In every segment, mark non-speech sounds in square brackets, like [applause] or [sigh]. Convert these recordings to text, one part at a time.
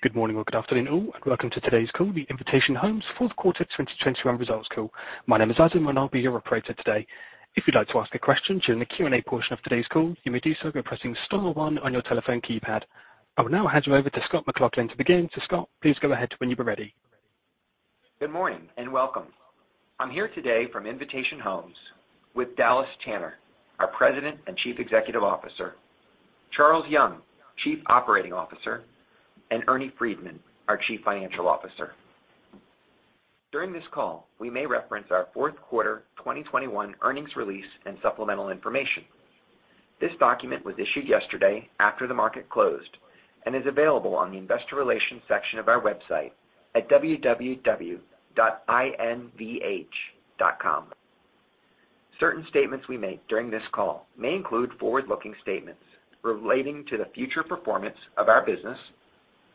Good morning or good afternoon all, and welcome to today's call, the Invitation Homes Fourth Quarter 2021 Results Call. My name is Adam, and I'll be your operator today. If you'd like to ask a question during the Q&A portion of today's call, you may do so by pressing star one on your telephone keypad. I will now hand you over to Scott McLaughlin to begin. Scott, please go ahead when you are ready. Good morning and welcome. I'm here today from Invitation Homes with Dallas Tanner, our President and Chief Executive Officer, Charles Young, Chief Operating Officer, and Ernie Freedman, our Chief Financial Officer. During this call, we may reference our fourth quarter 2021 earnings release and supplemental information. This document was issued yesterday after the market closed and is available on the investor relations section of our website at www.invh.com. Certain statements we make during this call may include forward-looking statements relating to the future performance of our business,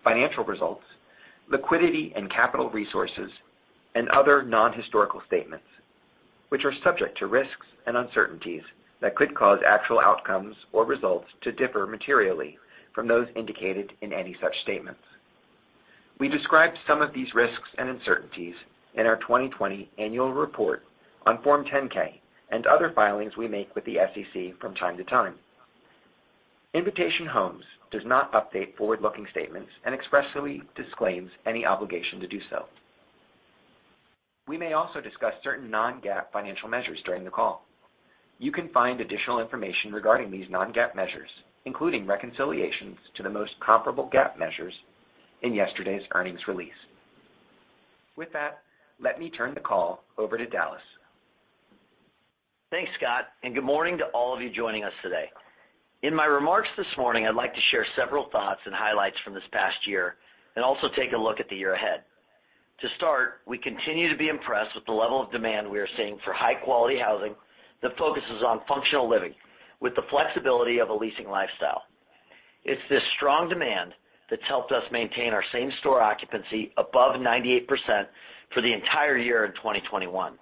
financial results, liquidity and capital resources, and other non-historical statements, which are subject to risks and uncertainties that could cause actual outcomes or results to differ materially from those indicated in any such statements. We describe some of these risks and uncertainties in our 2020 annual report on Form 10-K and other filings we make with the SEC from time to time. Invitation Homes does not update forward-looking statements and expressly disclaims any obligation to do so. We may also discuss certain non-GAAP financial measures during the call. You can find additional information regarding these non-GAAP measures, including reconciliations to the most comparable GAAP measures in yesterday's earnings release. With that, let me turn the call over to Dallas. Thanks, Scott, and good morning to all of you joining us today. In my remarks this morning, I'd like to share several thoughts and highlights from this past year and also take a look at the year ahead. To start, we continue to be impressed with the level of demand we are seeing for high-quality housing that focuses on functional living with the flexibility of a leasing lifestyle. It's this strong demand that's helped us maintain our same store occupancy above 98% for the entire year in 2021,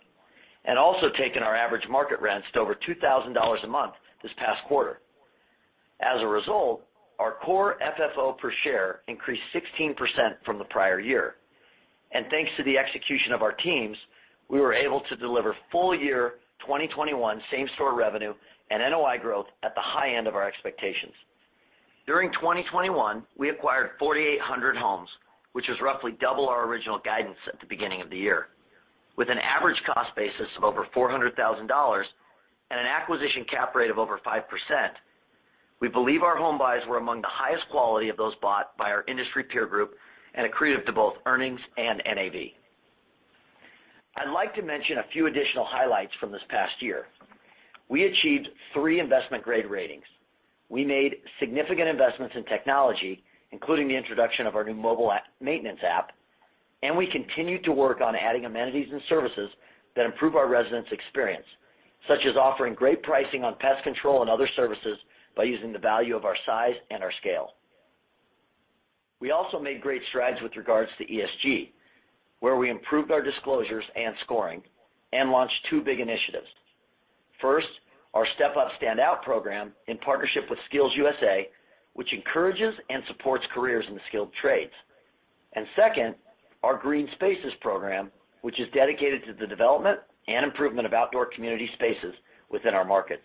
and also taken our average market rents to over $2,000 a month this past quarter. As a result, our Core FFO per share increased 16% from the prior year. Thanks to the execution of our teams, we were able to deliver full year 2021 same-store revenue and NOI growth at the high end of our expectations. During 2021, we acquired 4,800 homes, which is roughly double our original guidance at the beginning of the year. With an average cost basis of over $400,000 and an acquisition cap rate of over 5%, we believe our home buys were among the highest quality of those bought by our industry peer group and accretive to both earnings and NAV. I'd like to mention a few additional highlights from this past year. We achieved three investment-grade ratings. We made significant investments in technology, including the introduction of our new mobile app maintenance app, and we continued to work on adding amenities and services that improve our residents' experience, such as offering great pricing on pest control and other services by using the value of our size and our scale. We also made great strides with regards to ESG, where we improved our disclosures and scoring and launched two big initiatives. First, our Step Up, Stand Out program in partnership with SkillsUSA, which encourages and supports careers in the skilled trades. And second, our Green Spaces program, which is dedicated to the development and improvement of outdoor community spaces within our markets.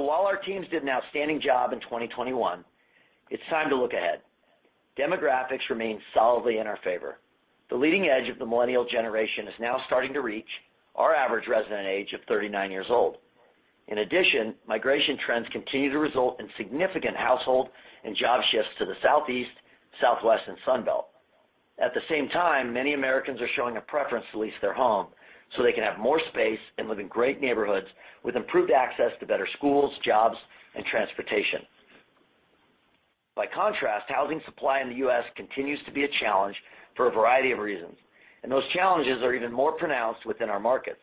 While our teams did an outstanding job in 2021, it's time to look ahead. Demographics remain solidly in our favor. The leading edge of the millennial generation is now starting to reach our average resident age of 39 years old. In addition, migration trends continue to result in significant household and job shifts to the southeast, southwest, and Sun Belt. At the same time, many Americans are showing a preference to lease their home, so they can have more space and live in great neighborhoods with improved access to better schools, jobs, and transportation. By contrast, housing supply in the U.S. continues to be a challenge for a variety of reasons, and those challenges are even more pronounced within our markets.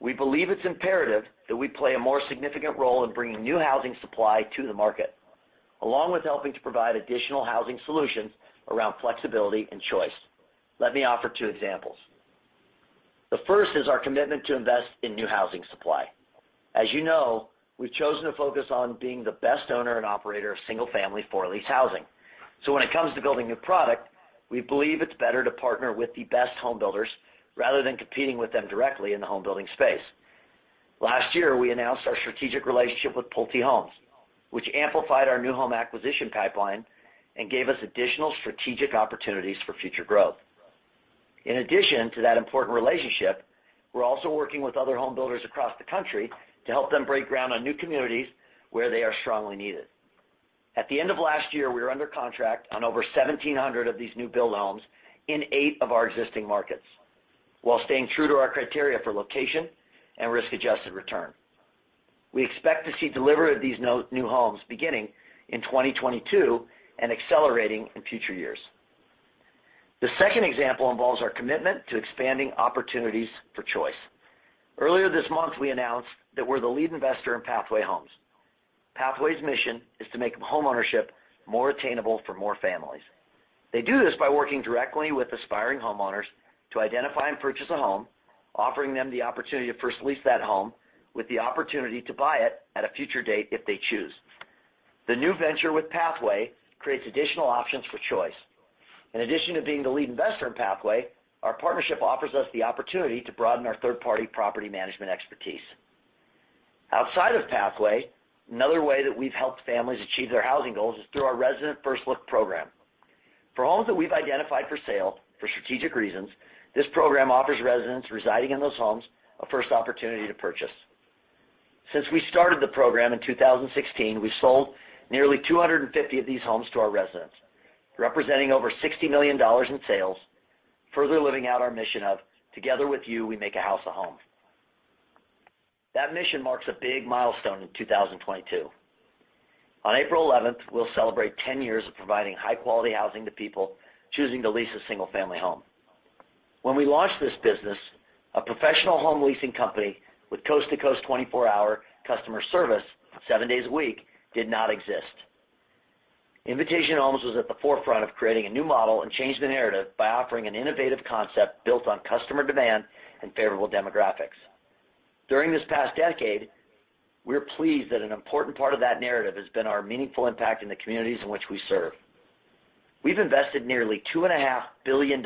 We believe it's imperative that we play a more significant role in bringing new housing supply to the market, along with helping to provide additional housing solutions around flexibility and choice. Let me offer two examples. The first is our commitment to invest in new housing supply. As you know, we've chosen to focus on being the best owner and operator of single-family for-lease housing. When it comes to building new product, we believe it's better to partner with the best home builders rather than competing with them directly in the home building space. Last year, we announced our strategic relationship with Pulte Homes, which amplified our new home acquisition pipeline and gave us additional strategic opportunities for future growth. In addition to that important relationship, we're also working with other home builders across the country to help them break ground on new communities where they are strongly needed. At the end of last year, we were under contract on over 1,700 of these new build homes in eight of our existing markets while staying true to our criteria for location and risk-adjusted return. We expect to see delivery of these new homes beginning in 2022 and accelerating in future years. The second example involves our commitment to expanding opportunities for choice. Earlier this month, we announced that we're the lead investor in Pathway Homes. Pathway's mission is to make homeownership more attainable for more families. They do this by working directly with aspiring homeowners to identify and purchase a home, offering them the opportunity to first lease that home with the opportunity to buy it at a future date if they choose. The new venture with Pathway creates additional options for choice. In addition to being the lead investor in Pathway, our partnership offers us the opportunity to broaden our third-party property management expertise. Outside of Pathway, another way that we've helped families achieve their housing goals is through our Resident First Look program. For homes that we've identified for sale for strategic reasons, this program offers residents residing in those homes a first opportunity to purchase. Since we started the program in 2016, we've sold nearly 250 of these homes to our residents, representing over $60 million in sales, further living out our mission of together with you, we make a house a home. That mission marks a big milestone in 2022. On April 11, we'll celebrate 10 years of providing high-quality housing to people choosing to lease a single-family home. When we launched this business, a professional home leasing company with coast-to-coast 24-hour customer service seven days a week did not exist. Invitation Homes was at the forefront of creating a new model and changed the narrative by offering an innovative concept built on customer demand and favorable demographics. During this past decade, we're pleased that an important part of that narrative has been our meaningful impact in the communities in which we serve. We've invested nearly $2.5 billion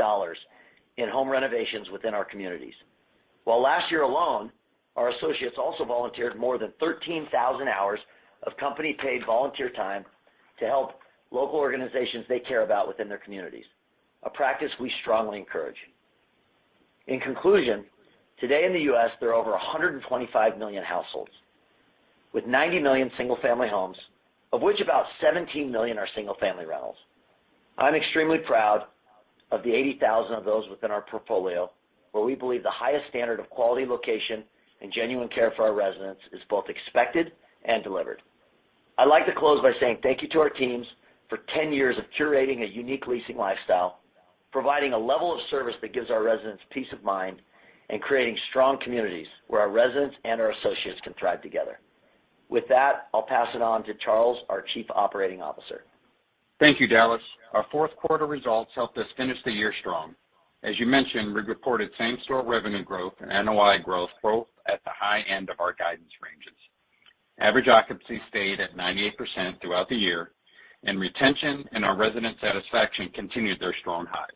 in home renovations within our communities. While last year alone, our associates also volunteered more than 13,000 hours of company-paid volunteer time to help local organizations they care about within their communities, a practice we strongly encourage. In conclusion, today in the U.S., there are over 125 million households, with 90 million single-family homes, of which about 17 million are single-family rentals. I'm extremely proud of the 80,000 of those within our portfolio, where we believe the highest standard of quality, location, and genuine care for our residents is both expected and delivered. I'd like to close by saying thank you to our teams for 10 years of curating a unique leasing lifestyle, providing a level of service that gives our residents peace of mind, and creating strong communities where our residents and our associates can thrive together. With that, I'll pass it on to Charles, our Chief Operating Officer. Thank you, Dallas. Our fourth quarter results helped us finish the year strong. As you mentioned, we reported same-store revenue growth and NOI growth both at the high end of our guidance ranges. Average occupancy stayed at 98% throughout the year, and retention and our resident satisfaction continued their strong highs.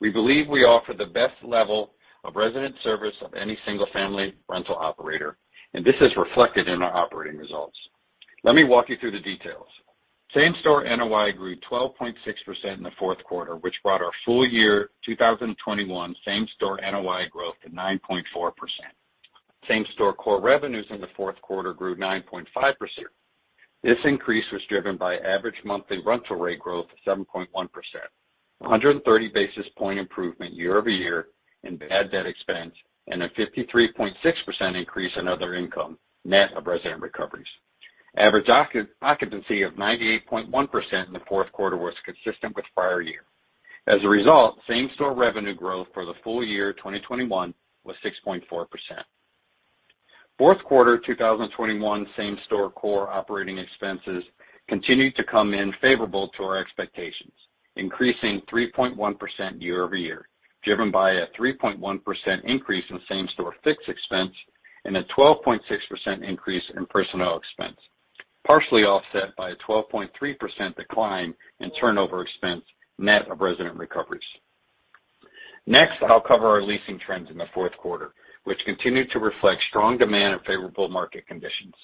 We believe we offer the best level of resident service of any single-family rental operator, and this is reflected in our operating results. Let me walk you through the details. Same-store NOI grew 12.6% in the fourth quarter, which brought our full year 2021 same-store NOI growth to 9.4%. Same-store core revenues in the fourth quarter grew 9.5%. This increase was driven by average monthly rental rate growth of 7.1%, a 130 basis point improvement year-over-year in bad debt expense, and a 53.6% increase in other income, net of resident recoveries. Average occupancy of 98.1% in the fourth quarter was consistent with prior year. As a result, same-store revenue growth for the full year 2021 was 6.4%. Fourth quarter 2021 same-store core operating expenses continued to come in favorable to our expectations, increasing 3.1% year-over-year, driven by a 3.1% increase in same-store fixed expense and a 12.6% increase in personnel expense, partially offset by a 12.3% decline in turnover expense, net of resident recoveries. Next, I'll cover our leasing trends in the fourth quarter, which continued to reflect strong demand and favorable market conditions.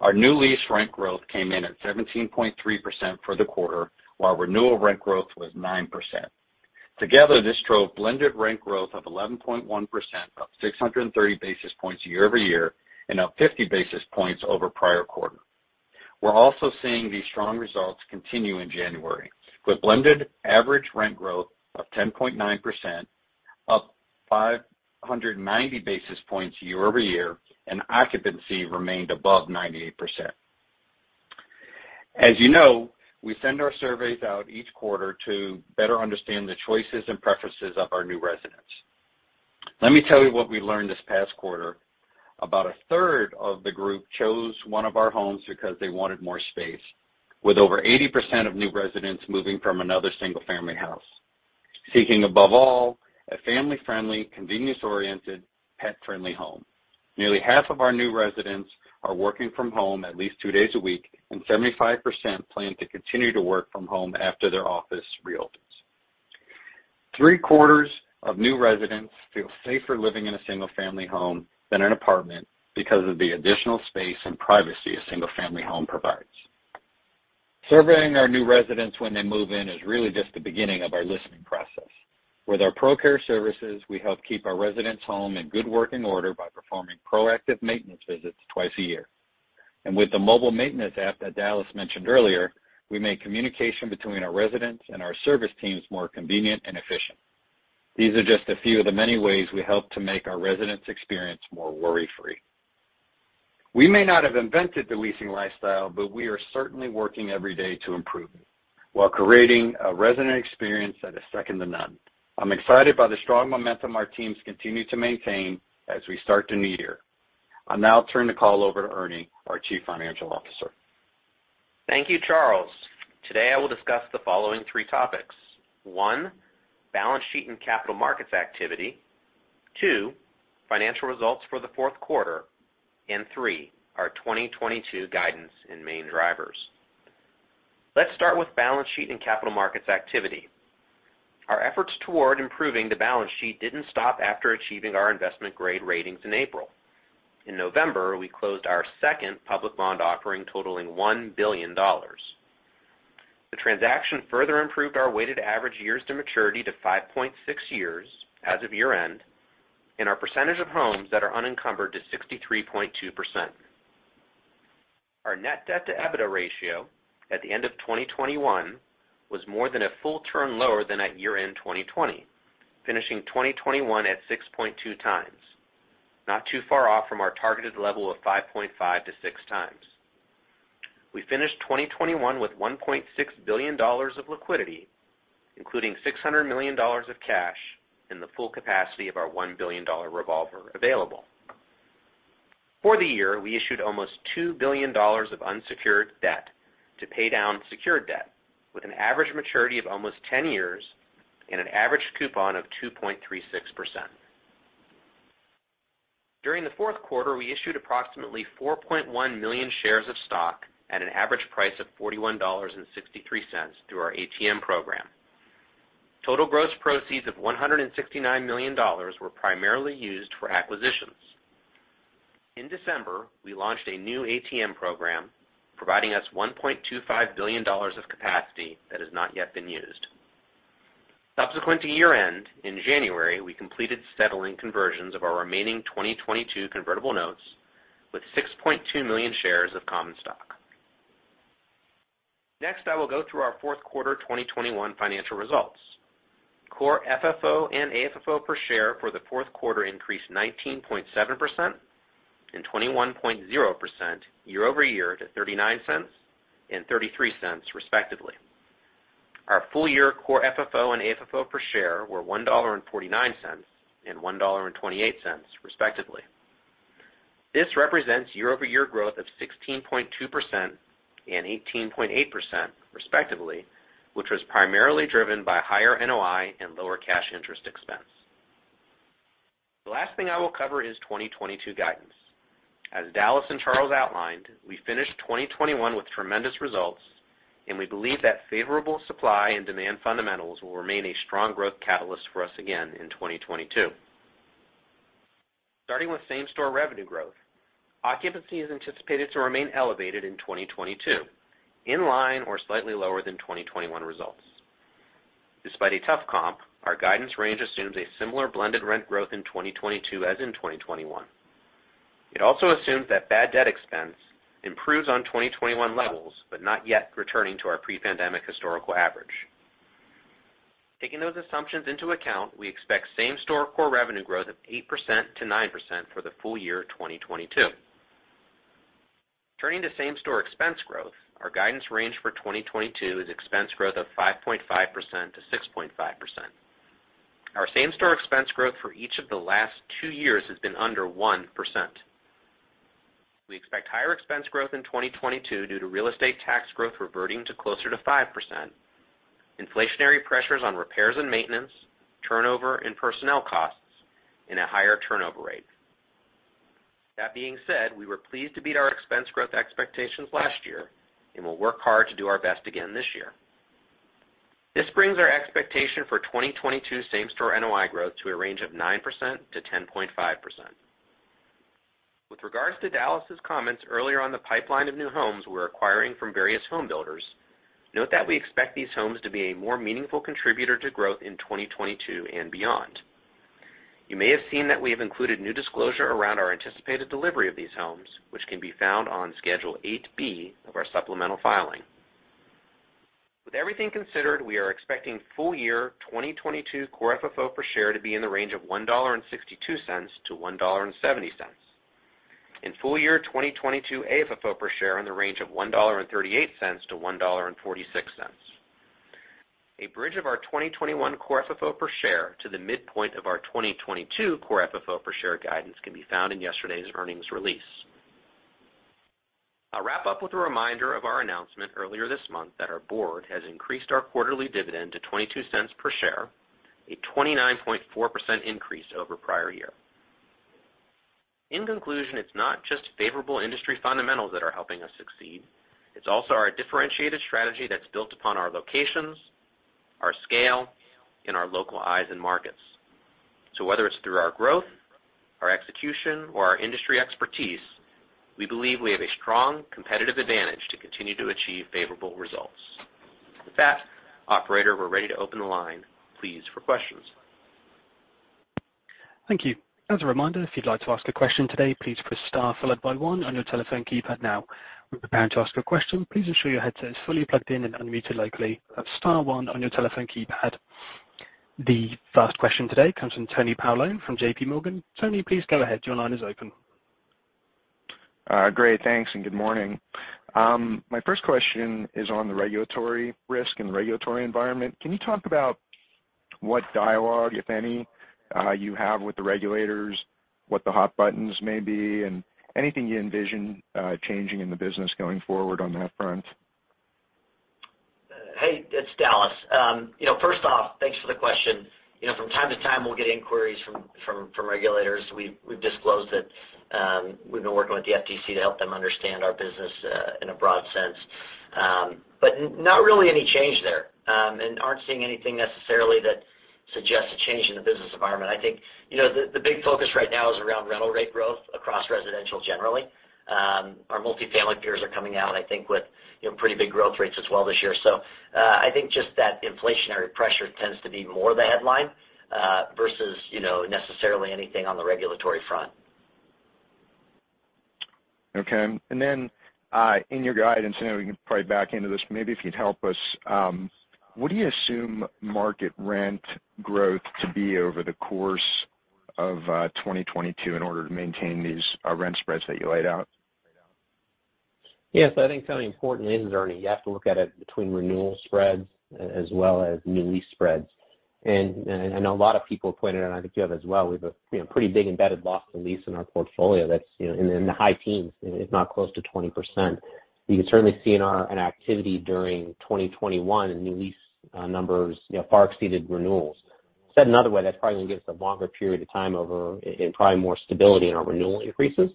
Our new lease rent growth came in at 17.3% for the quarter, while renewal rent growth was 9%. Together, this drove blended rent growth of 11.1%, up 630 basis points year-over-year and up 50 basis points over prior quarter. We're also seeing these strong results continue in January with blended average rent growth of 10.9%, up 590 basis points year-over-year, and occupancy remained above 98%. As you know, we send our surveys out each quarter to better understand the choices and preferences of our new residents. Let me tell you what we learned this past quarter. About a third of the group chose one of our homes because they wanted more space, with over 80% of new residents moving from another single-family house, seeking, above all, a family-friendly, convenience-oriented, pet-friendly home. Nearly half of our new residents are working from home at least two days a week, and 75% plan to continue to work from home after their office reopens. Three-quarters of new residents feel safer living in a single-family home than an apartment because of the additional space and privacy a single-family home provides. Surveying our new residents when they move in is really just the beginning of our listening process. With our ProCare services, we help keep our residents' home in good working order by performing proactive maintenance visits twice a year. With the mobile maintenance app that Dallas mentioned earlier, we make communication between our residents and our service teams more convenient and efficient. These are just a few of the many ways we help to make our residents' experience more worry-free. We may not have invented the leasing lifestyle, but we are certainly working every day to improve it while creating a resident experience that is second to none. I'm excited by the strong momentum our teams continue to maintain as we start the new year. I'll now turn the call over to Ernie, our Chief Financial Officer. Thank you, Charles. Today, I will discuss the following three topics. One, balance sheet and capital markets activity. Two, financial results for the fourth quarter. Three, our 2022 guidance and main drivers. Let's start with balance sheet and capital markets activity. Our efforts toward improving the balance sheet didn't stop after achieving our investment grade ratings in April. In November, we closed our second public bond offering totaling $1 billion. The transaction further improved our weighted average years to maturity to 5.6 years as of year-end, and our percentage of homes that are unencumbered to 63.2%. Our net debt to EBITDA ratio at the end of 2021 was more than a full turn lower than at year-end 2020, finishing 2021 at 6.2x, not too far off from our targeted level of 5.5-6x. We finished 2021 with $1.6 billion of liquidity, including $600 million of cash and the full capacity of our $1 billion revolver available. For the year, we issued almost $2 billion of unsecured debt to pay down secured debt with an average maturity of almost 10 years and an average coupon of 2.36%. During the fourth quarter, we issued approximately 4.1 million shares of stock at an average price of $41.63 through our ATM program. Total gross proceeds of $169 million were primarily used for acquisitions. In December, we launched a new ATM program, providing us $1.25 billion of capacity that has not yet been used. Subsequent to year-end, in January, we completed settling conversions of our remaining 2022 convertible notes with 6.2 million shares of common stock. Next, I will go through our fourth quarter 2021 financial results. Core FFO and AFFO per share for the fourth quarter increased 19.7% and 21.0% year-over-year to $0.39 and $0.33, respectively. Our full year Core FFO and AFFO per share were $1.49 and $1.28, respectively. This represents year-over-year growth of 16.2% and 18.8%, respectively, which was primarily driven by higher NOI and lower cash interest expense. The last thing I will cover is 2022 guidance. As Dallas and Charles outlined, we finished 2021 with tremendous results, and we believe that favorable supply and demand fundamentals will remain a strong growth catalyst for us again in 2022. Starting with same-store revenue growth. Occupancy is anticipated to remain elevated in 2022, in line or slightly lower than 2021 results. Despite a tough comp, our guidance range assumes a similar blended rent growth in 2022 as in 2021. It also assumes that bad debt expense improves on 2021 levels, but not yet returning to our pre-pandemic historical average. Taking those assumptions into account, we expect same-store core revenue growth of 8%-9% for the full year 2022. Turning to same-store expense growth, our guidance range for 2022 is expense growth of 5.5%-6.5%. Our same-store expense growth for each of the last two years has been under 1%. We expect higher expense growth in 2022 due to real estate tax growth reverting to closer to 5%, inflationary pressures on repairs and maintenance, turnover in personnel costs, and a higher turnover rate. That being said, we were pleased to beat our expense growth expectations last year and will work hard to do our best again this year. This brings our expectation for 2022 same-store NOI growth to a range of 9%-10.5%. With regards to Dallas's comments earlier on the pipeline of new homes we're acquiring from various home builders, note that we expect these homes to be a more meaningful contributor to growth in 2022 and beyond. You may have seen that we have included new disclosure around our anticipated delivery of these homes, which can be found on Schedule 8-B of our supplemental filing. With everything considered, we are expecting full year 2022 Core FFO per share to be in the range of $1.62-$1.70. In full year 2022, AFFO per share in the range of $1.38-$1.46. A bridge of our 2021 Core FFO per share to the midpoint of our 2022 Core FFO per share guidance can be found in yesterday's earnings release. I'll wrap up with a reminder of our announcement earlier this month that our board has increased our quarterly dividend to $0.22 per share, a 29.4% increase over prior year. In conclusion, it's not just favorable industry fundamentals that are helping us succeed. It's also our differentiated strategy that's built upon our locations, our scale, and our local eyes in markets. Whether it's through our growth, our execution, or our industry expertise, we believe we have a strong competitive advantage to continue to achieve favorable results. With that, operator, we're ready to open the line, please, for questions. Thank you. As a reminder, if you'd like to ask a question today, please press star followed by one on your telephone keypad now. When preparing to ask a question, please ensure your headset is fully plugged in and unmuted locally. That's star one on your telephone keypad. The first question today comes from Tony Paolone from JPMorgan. Tony, please go ahead. Your line is open. Great. Thanks and good morning. My first question is on the regulatory risk and regulatory environment. Can you talk about what dialogue, if any, you have with the regulators, what the hot buttons may be, and anything you envision changing in the business going forward on that front? Hey, it's Dallas. You know, first off, thanks for the question. You know, from time to time, we'll get inquiries from regulators. We've disclosed that, we've been working with the FTC to help them understand our business in a broad sense. But not really any change there, and aren't seeing anything necessarily that suggests a change in the business environment. I think, you know, the big focus right now is around rental rate growth across residential generally. Our multifamily peers are coming out, I think with, you know, pretty big growth rates as well this year. I think just that inflationary pressure tends to be more the headline versus, you know, necessarily anything on the regulatory front. Okay. In your guidance, I know we can probably back into this, maybe if you'd help us, what do you assume market rent growth to be over the course of 2022 in order to maintain these rent spreads that you laid out? Yes. I think, Tony, important lens, Ernie. You have to look at it between renewal spreads as well as new lease spreads. I know a lot of people pointed out, I think you have as well, we have a, you know, pretty big embedded loss to lease in our portfolio that's, you know, in the high teens, if not close to 20%. You can certainly see in our activity during 2021, new lease numbers, you know, far exceeded renewals. Said another way, that's probably gonna give us a longer period of time over and probably more stability in our renewal increases.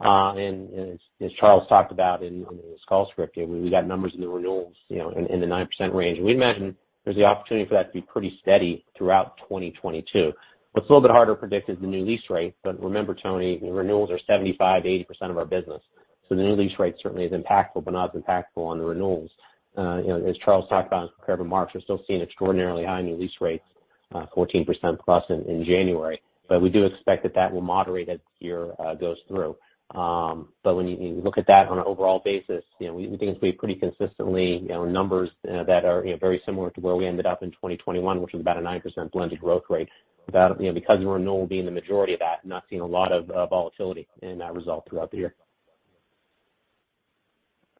As Charles talked about in, on his call script, you know, we got numbers in the renewals, you know, in the 9% range. We'd imagine there's the opportunity for that to be pretty steady throughout 2022. What's a little bit harder to predict is the new lease rate. Remember, Tony, renewals are 75%-80% of our business. The new lease rate certainly is impactful, but not as impactful on the renewals. You know, as Charles talked about in his prepared remarks, we're still seeing extraordinarily high new lease rates, 14%+ in January. We do expect that will moderate as the year goes through. When you look at that on an overall basis, you know, we think it's been pretty consistently numbers that are very similar to where we ended up in 2021, which was about a 9% blended growth rate. About, you know, because renewal being the majority of that, not seeing a lot of volatility in that result throughout the year.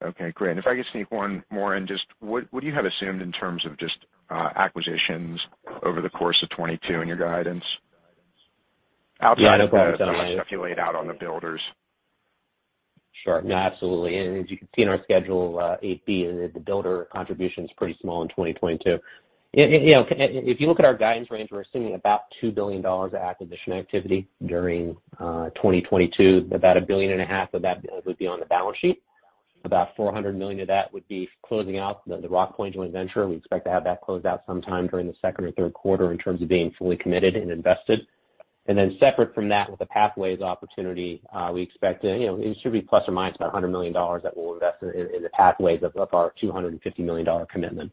Okay, great. If I could sneak one more in, just what do you have assumed in terms of just, acquisitions over the course of 2022 in your guidance? Outside of the stuff you laid out on the builders. Sure. No, absolutely. As you can see in our Schedule 8-B, the builder contribution is pretty small in 2022. You know, if you look at our guidance range, we're assuming about $2 billion of acquisition activity during 2022. About $1.5 billion of that would be on the balance sheet. About $400 million of that would be closing out the Rockpoint joint venture. We expect to have that closed out sometime during the second or third quarter in terms of being fully committed and invested. Then separate from that, with the Pathway opportunity, we expect, you know, it should be ±$100 million that we'll invest in the Pathway's of our $250 million commitment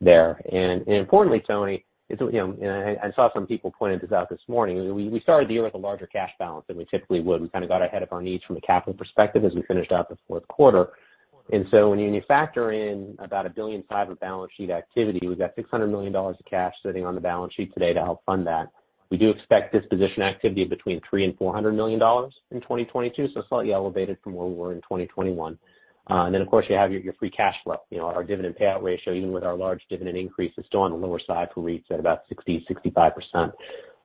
there. Importantly, Tony, you know, I saw some people pointing this out this morning. We started the year with a larger cash balance than we typically would. We kind of got ahead of our needs from a capital perspective as we finished out the fourth quarter. When you factor in about $1.5 billion of balance sheet activity, we've got $600 million of cash sitting on the balance sheet today to help fund that. We do expect disposition activity of between $300 million and $400 million in 2022, so slightly elevated from where we were in 2021. And then of course, you have your free cash flow. You know, our dividend payout ratio, even with our large dividend increase, is still on the lower side for REITs at about 60%-65%.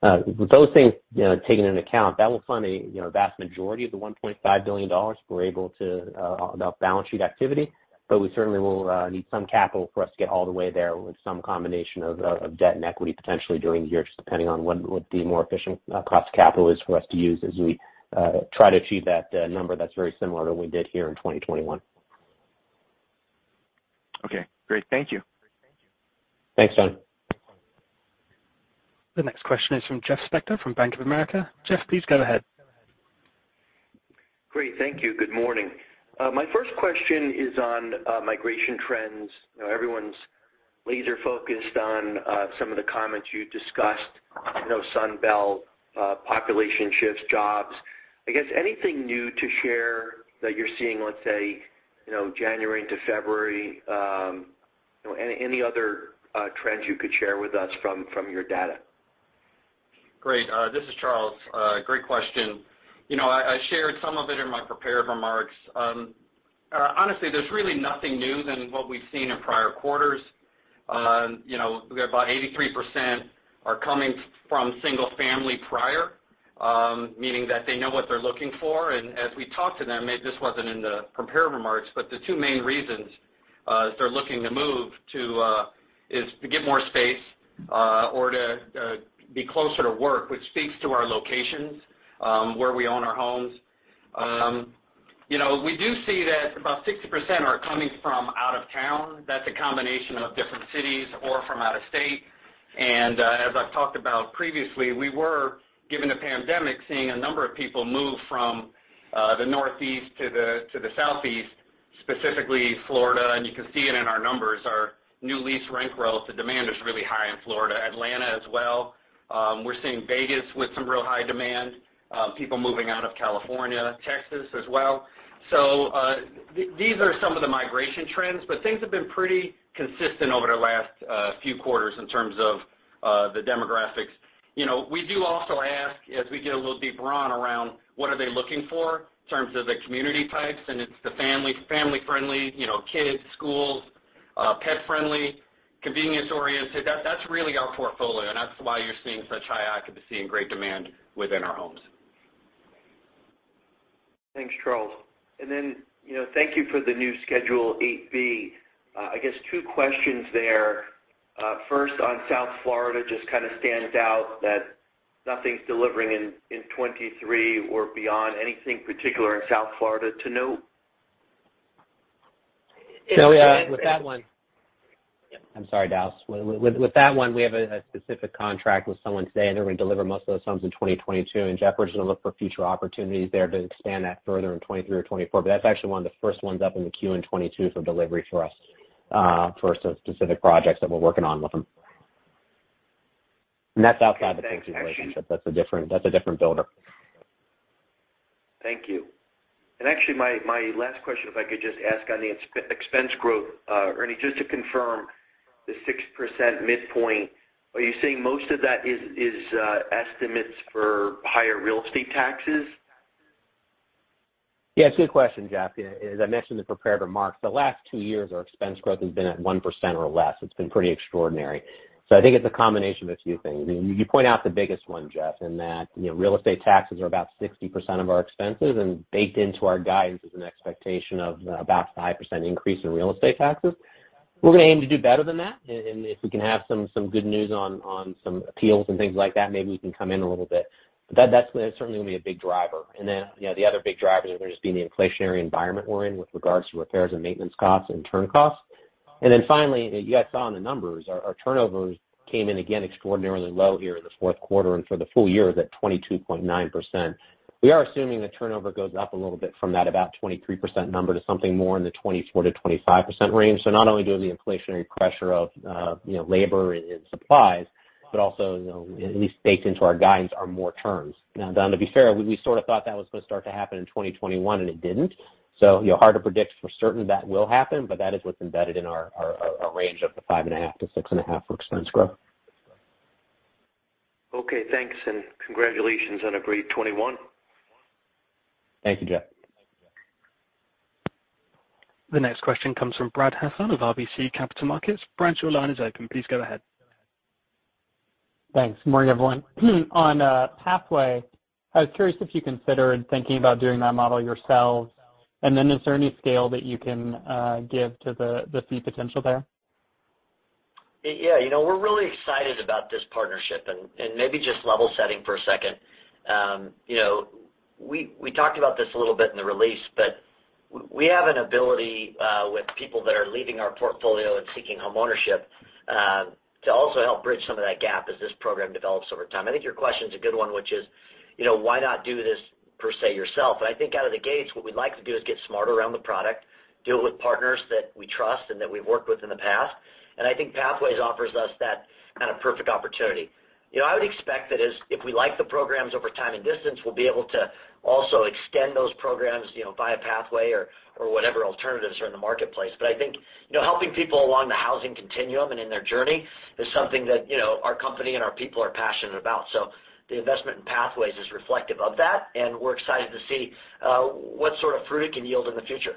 Those things, you know, taken into account, that will fund a vast majority of the $1.5 billion we're able to off-balance-sheet activity. We certainly will need some capital for us to get all the way there with some combination of debt and equity potentially during the year, just depending on which would be more efficient cost of capital for us to use as we try to achieve that number that's very similar to what we did here in 2021. Okay, great. Thank you. Thanks, Tony. The next question is from Jeff Spector from Bank of America. Jeff, please go ahead. Great. Thank you. Good morning. My first question is on migration trends. You know, everyone's laser focused on some of the comments you discussed, you know, Sun Belt population shifts, jobs. I guess anything new to share that you're seeing, let's say, you know, January into February, you know, any other trends you could share with us from your data? Great. This is Charles. Great question. You know, I shared some of it in my prepared remarks. Honestly, there's really nothing new than what we've seen in prior quarters. You know, about 83% are coming from single-family prior, meaning that they know what they're looking for. As we talk to them, this wasn't in the prepared remarks, but the two main reasons they're looking to move to is to get more space or to be closer to work, which speaks to our locations where we own our homes. You know, we do see that about 60% are coming from out of town. That's a combination of different cities or from out of state. as I've talked about previously, we were, given the pandemic, seeing a number of people move from the Northeast to the Southeast, specifically Florida. You can see it in our numbers. Our new lease rent growth, the demand is really high in Florida, Atlanta as well. We're seeing Vegas with some real high demand, people moving out of California, Texas as well. These are some of the migration trends, but things have been pretty consistent over the last few quarters in terms of The demographics. You know, we do also ask, as we get a little deeper on around what are they looking for in terms of the community types, and it's the family-friendly, you know, kids, schools, pet friendly, convenience-oriented. That's really our portfolio, and that's why you're seeing such high occupancy and great demand within our homes. Thanks, Charles. Then, you know, thank you for the new Schedule 8-B. I guess two questions there. First on South Florida, just kind of stands out that nothing's delivering in 2023 or beyond. Anything particular in South Florida to note? It- No, yeah, with that one. I'm sorry, Dallas. With that one, we have a specific contract with someone today, and they're going to deliver most of those homes in 2022. Jeff [inaudible] is gonna look for future opportunities there to expand that further in 2023 or 2024. That's actually one of the first ones up in the queue in 2022 for delivery for us, for some specific projects that we're working on with them. That's outside the relationship. That's a different builder. Thank you. Actually my last question, if I could just ask on the expense growth. Ernie, just to confirm the 6% midpoint, are you saying most of that is estimates for higher real estate taxes? Yeah, it's a good question, Jeff. As I mentioned in the prepared remarks, the last two years, our expense growth has been at 1% or less. It's been pretty extraordinary. I think it's a combination of a few things. You point out the biggest one, Jeff, in that, you know, real estate taxes are about 60% of our expenses, and baked into our guidance is an expectation of about 5% increase in real estate taxes. We're gonna aim to do better than that. If we can have some good news on some appeals and things like that, maybe we can come in a little bit. That, that's certainly going to be a big driver. Then, you know, the other big drivers are just being the inflationary environment we're in with regards to repairs and maintenance costs and turn costs. Finally, you guys saw in the numbers, our turnovers came in again extraordinarily low here in the fourth quarter and for the full year is at 22.9%. We are assuming the turnover goes up a little bit from that about 23% number to something more in the 24%-25% range. Not only do we the inflationary pressure of, you know, labor and supplies, but also, you know, at least baked into our guidance are more turns. Now, Don, to be fair, we sort of thought that was going to start to happen in 2021 and it didn't. You know, hard to predict for certain that will happen, but that is what's embedded in our range of the 5.5%-6.5% for expense growth. Okay, thanks, and congratulations on a great 2021. Thank you, Jeff. The next question comes from Brad Heffern of RBC Capital Markets. Brad, your line is open. Please go ahead. Thanks. Morning, everyone. On Pathway, I was curious if you considered thinking about doing that model yourselves, and then is there any scale that you can give to the fee potential there? Yeah, you know, we're really excited about this partnership. Maybe just level setting for a second. You know, we talked about this a little bit in the release, but we have an ability with people that are leaving our portfolio and seeking homeownership to also help bridge some of that gap as this program develops over time. I think your question is a good one, which is, you know, why not do this per se yourself? I think out of the gates, what we'd like to do is get smarter around the product, do it with partners that we trust and that we've worked with in the past. I think Pathway offers us that kind of perfect opportunity. You know, I would expect that if we like the programs over time and distance, we'll be able to also extend those programs, you know, via Pathway or whatever alternatives are in the marketplace. I think, you know, helping people along the housing continuum and in their journey is something that, you know, our company and our people are passionate about. The investment in Pathways is reflective of that, and we're excited to see what sort of fruit it can yield in the future.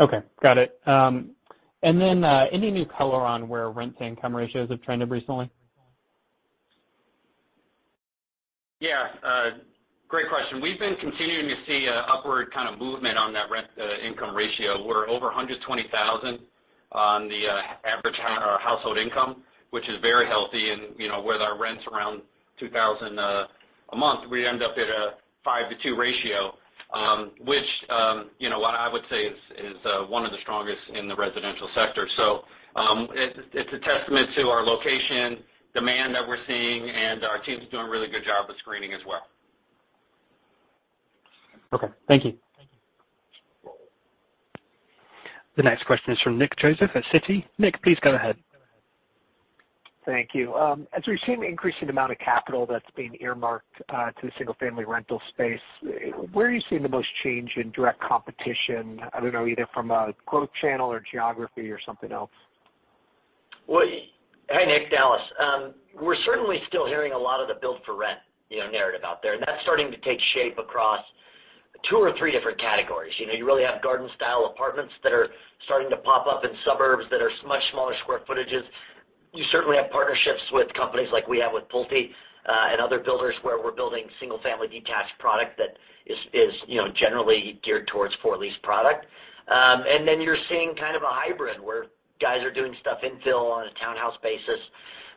Okay, got it. Any new color on where rent to income ratios have trended recently? Yeah, great question. We've been continuing to see an upward kind of movement on that rent to income ratio. We're over $120,000 on the average household income, which is very healthy. You know, with our rents around $2,000 a month, we end up at a 5-2 ratio, which you know what I would say is one of the strongest in the residential sector. It's a testament to our location demand that we're seeing and our team's doing a really good job of screening as well. Okay. Thank you. The next question is from Nick Joseph at Citi. Nick, please go ahead. Thank you. As we've seen increasing amount of capital that's being earmarked to the single-family rental space, where are you seeing the most change in direct competition? You know, either from a growth channel or geography or something else. Well, hey, Nick. Dallas. We're certainly still hearing a lot of the build for rent, you know, narrative out there, and that's starting to take shape across two or three different categories. You know, you really have garden-style apartments that are starting to pop up in suburbs that are much smaller square footages. You certainly have partnerships with companies like we have with Pulte, and other builders where we're building single family detached product that is, you know, generally geared towards for lease product. And then you're seeing kind of a hybrid where guys are doing stuff infill on a townhouse basis.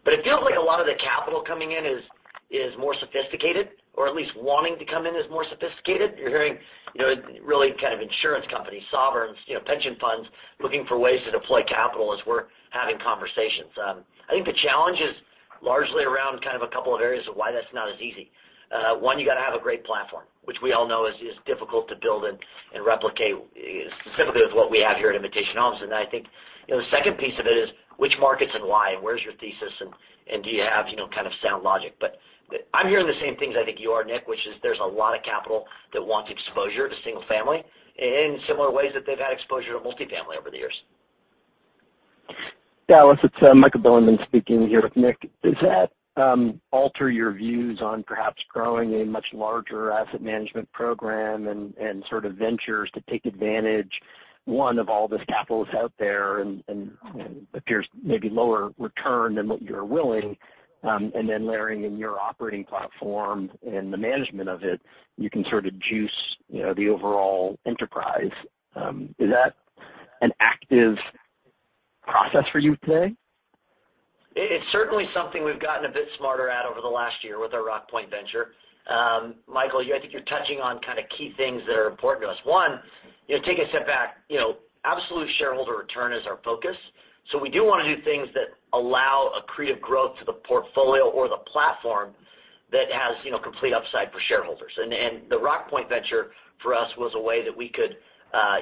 It feels like a lot of the capital coming in is more sophisticated or at least wanting to come in as more sophisticated. You're hearing, you know, really kind of insurance companies, sovereigns, you know, pension funds, looking for ways to deploy capital as we're having conversations. I think the challenge is largely around kind of a couple of areas of why that's not as easy. One, you got to have a great platform, which we all know is difficult to build and replicate, specifically with what we have here at Invitation Homes. I think, you know, the second piece of it is which markets and why, and where's your thesis and do you have, you know, kind of sound logic. I'm hearing the same things I think you are, Nick, which is there's a lot of capital that wants exposure to single family in similar ways that they've had exposure to multifamily over the years. Dallas, it's Michael Bilerman speaking here with Nick. Does that alter your views on perhaps growing a much larger asset management program and sort of ventures to take advantage, one, of all this capital that's out there and appears maybe lower return than what you're willing, and then layering in your operating platform and the management of it, you can sort of juice, you know, the overall enterprise? Is that an active process for you today? It's certainly something we've gotten a bit smarter at over the last year with our Rockpoint Venture. Michael, yeah, I think you're touching on kind of key things that are important to us. One, you know, take a step back. You know, absolute shareholder return is our focus, so we do wanna do things that allow accretive growth to the portfolio or the platform that has, you know, complete upside for shareholders. The Rockpoint Venture for us was a way that we could,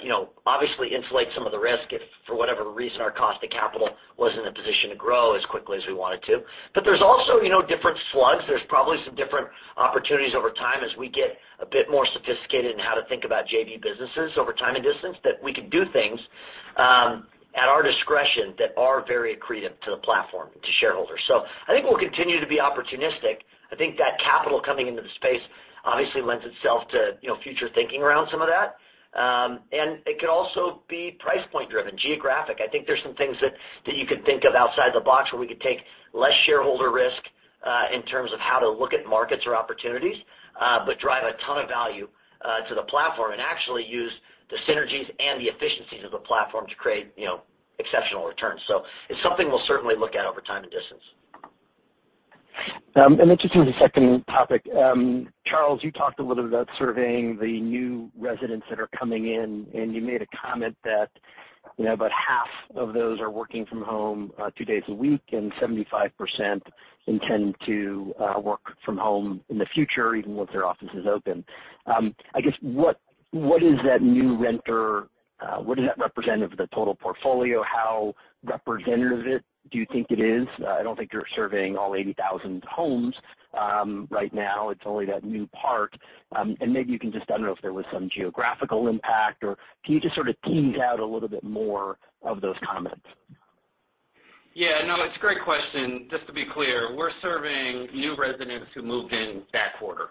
you know, obviously insulate some of the risk if for whatever reason our cost to capital was in a position to grow as quickly as we want it to. There's also, you know, different slugs. There's probably some different opportunities over time as we get a bit more sophisticated in how to think about JV businesses over time and distance, that we can do things at our discretion that are very accretive to the platform, to shareholders. I think we'll continue to be opportunistic. I think that capital coming into the space obviously lends itself to, you know, future thinking around some of that. It could also be price point driven, geographic. I think there's some things that you could think of outside the box where we could take less shareholder risk in terms of how to look at markets or opportunities, but drive a ton of value to the platform and actually use the synergies and the efficiencies of the platform to create, you know, exceptional returns. It's something we'll certainly look at over time and distance. Just moving to the second topic. Charles, you talked a little bit about surveying the new residents that are coming in, and you made a comment that, you know, about half of those are working from home, two days a week, and 75% intend to work from home in the future, even once their office is open. I guess, what is that new renter, what does that represent of the total portfolio? How representative do you think it is? I don't think you're surveying all 80,000 homes, right now. It's only that new part. Maybe you can just I don't know if there was some geographical impact, or can you just sort of tease out a little bit more of those comments? Yeah. No, it's a great question. Just to be clear, we're surveying new residents who moved in that quarter.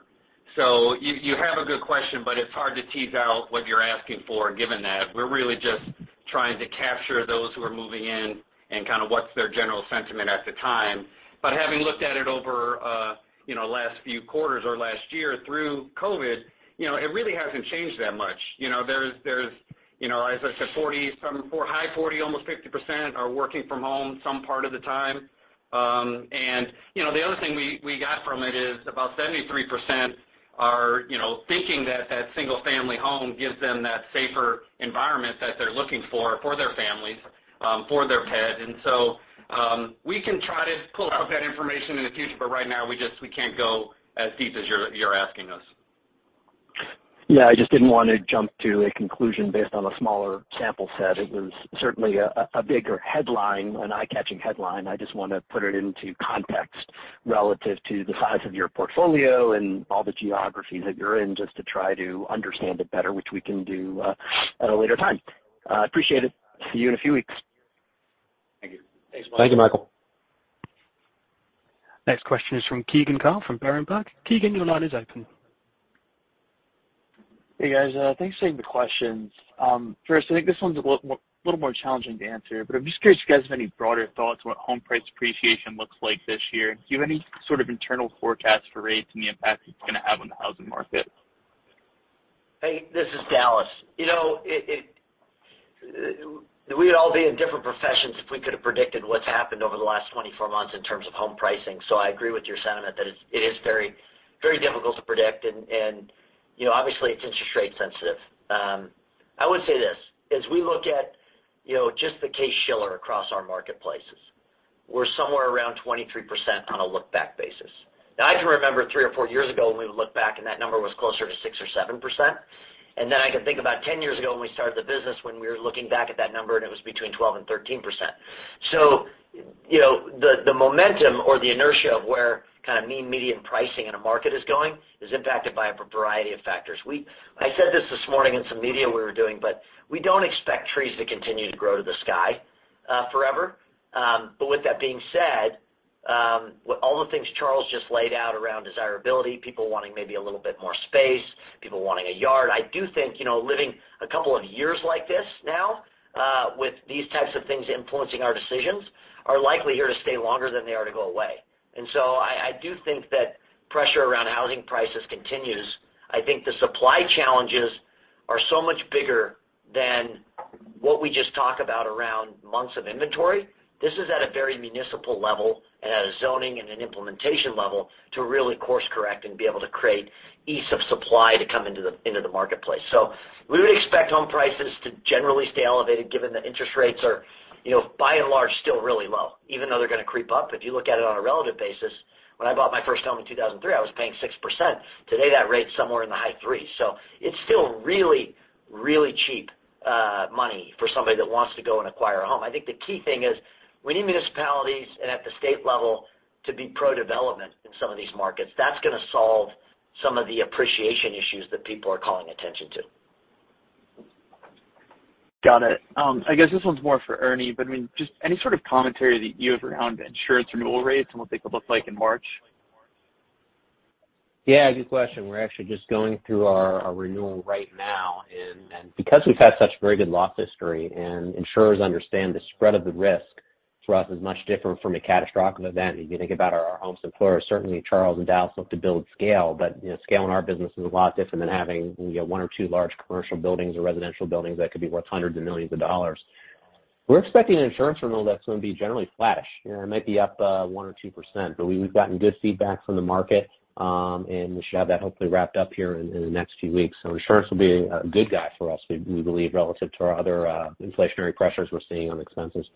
You have a good question, but it's hard to tease out what you're asking for given that. We're really just trying to capture those who are moving in and kind of what's their general sentiment at the time. Having looked at it over you know, last few quarters or last year through COVID, you know, it really hasn't changed that much. You know, there's you know, as I said, high 40s, almost 50% are working from home some part of the time. And you know, the other thing we got from it is about 73% are you know, thinking that that single-family home gives them that safer environment that they're looking for their families, for their pets. We can try to pull out that information in the future, but right now we can't go as deep as you're asking us. Yeah, I just didn't wanna jump to a conclusion based on a smaller sample set. It was certainly a bigger headline, an eye-catching headline. I just wanna put it into context relative to the size of your portfolio and all the geographies that you're in, just to try to understand it better, which we can do at a later time. Appreciate it. See you in a few weeks. Thank you. Thanks, Michael. Thank you, Michael. Next question is from Keegan Carl from Berenberg. Keegan, your line is open. Hey, guys. Thanks for taking the questions. First, I think this one's a little more challenging to answer, but I'm just curious if you guys have any broader thoughts on what home price appreciation looks like this year. Do you have any sort of internal forecast for rates and the impact it's gonna have on the housing market? Hey, this is Dallas. You know, we would all be in different professions if we could have predicted what's happened over the last 24 months in terms of home pricing. I agree with your sentiment that it is very, very difficult to predict and, you know, obviously, it's interest rate sensitive. I would say this: As we look at, you know, just the Case-Shiller across our marketplaces, we're somewhere around 23% on a look-back basis. Now, I can remember three or four years ago when we would look back and that number was closer to 6% or 7%. I can think about 10 years ago when we started the business, when we were looking back at that number and it was between 12% and 13%. You know, the momentum or the inertia of where kind of mean median pricing in a market is going is impacted by a variety of factors. I said this morning in some media we were doing, but we don't expect trees to continue to grow to the sky forever. With that being said, with all the things Charles just laid out around desirability, people wanting maybe a little bit more space, people wanting a yard, I do think, you know, living a couple of years like this now with these types of things influencing our decisions are likely here to stay longer than they are to go away. I do think that pressure around housing prices continues. I think the supply challenges are so much bigger than what we just talk about around months of inventory. This is at a very municipal level and at a zoning and an implementation level to really course correct and be able to create ease of supply to come into the marketplace. We would expect home prices to generally stay elevated given that interest rates are, you know, by and large, still really low, even though they're gonna creep up. If you look at it on a relative basis, when I bought my first home in 2003, I was paying 6%. Today, that rate's somewhere in the high 3s. It's still really, really cheap money for somebody that wants to go and acquire a home. I think the key thing is we need municipalities and at the state level to be pro-development in some of these markets. That's gonna solve some of the appreciation issues that people are calling attention to. Got it. I guess this one's more for Ernie, but, I mean, just any sort of commentary that you have around insurance renewal rates and what they could look like in March? Yeah, good question. We're actually just going through our renewal right now. Because we've had such very good loss history and insurers understand the spread of the risk for us is much different from a catastrophic event. If you think about our home portfolio, certainly Charles and Dallas look to build scale, but you know, scale in our business is a lot different than having you know, one or two large commercial buildings or residential buildings that could be worth hundreds of millions of dollars. We're expecting an insurance renewal that's gonna be generally flat. You know, it might be up 1%-2%, but we've gotten good feedback from the market. We should have that hopefully wrapped up here in the next few weeks. Insurance will be a good guy for us, we believe, relative to our other inflationary pressures we're seeing on expenses.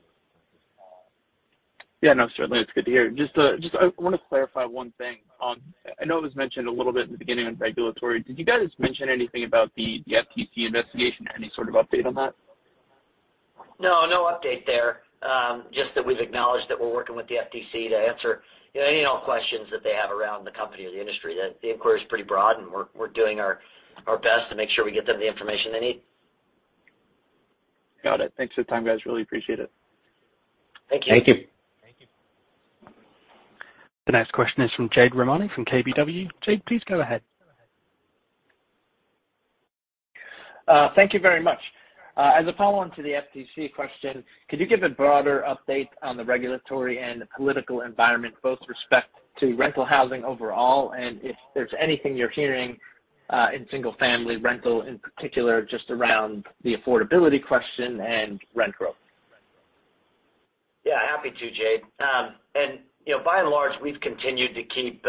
Yeah. No, certainly. It's good to hear. Just, I wanna clarify one thing. I know it was mentioned a little bit at the beginning on regulatory. Did you guys mention anything about the FTC investigation? Any sort of update on that? No. No update there. Just that we've acknowledged that we're working with the FTC to answer any and all questions that they have around the company or the industry. That the inquiry is pretty broad, and we're doing our best to make sure we get them the information they need. Got it. Thanks for the time, guys. Really appreciate it. Thank you. Thank you. Thank you. The next question is from Jade Rahmani from KBW. Jade, please go ahead. Thank you very much. As a follow-on to the FTC question, could you give a broader update on the regulatory and the political environment, both with respect to rental housing overall, and if there's anything you're hearing in single family rental, in particular just around the affordability question and rent growth? Yeah. Happy to, Jade. And you know, by and large, we've continued to keep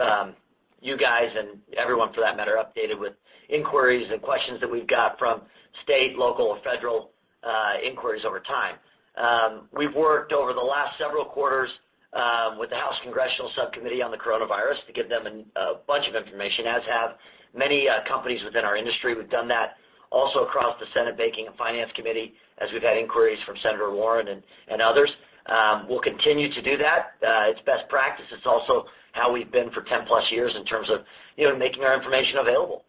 you guys, and everyone for that matter, updated with inquiries and questions that we've got from state, local, and federal inquiries over time. We've worked over the last several quarters with the House Select Subcommittee on the Coronavirus Crisis to give them a bunch of information, as have many companies within our industry. We've done that also across the U.S. Senate Committee on Banking, Housing, and Urban Affairs, as we've had inquiries from Senator Warren and others. We'll continue to do that. It's best practice. It's also how we've been for 10+ years in terms of you know, making our information available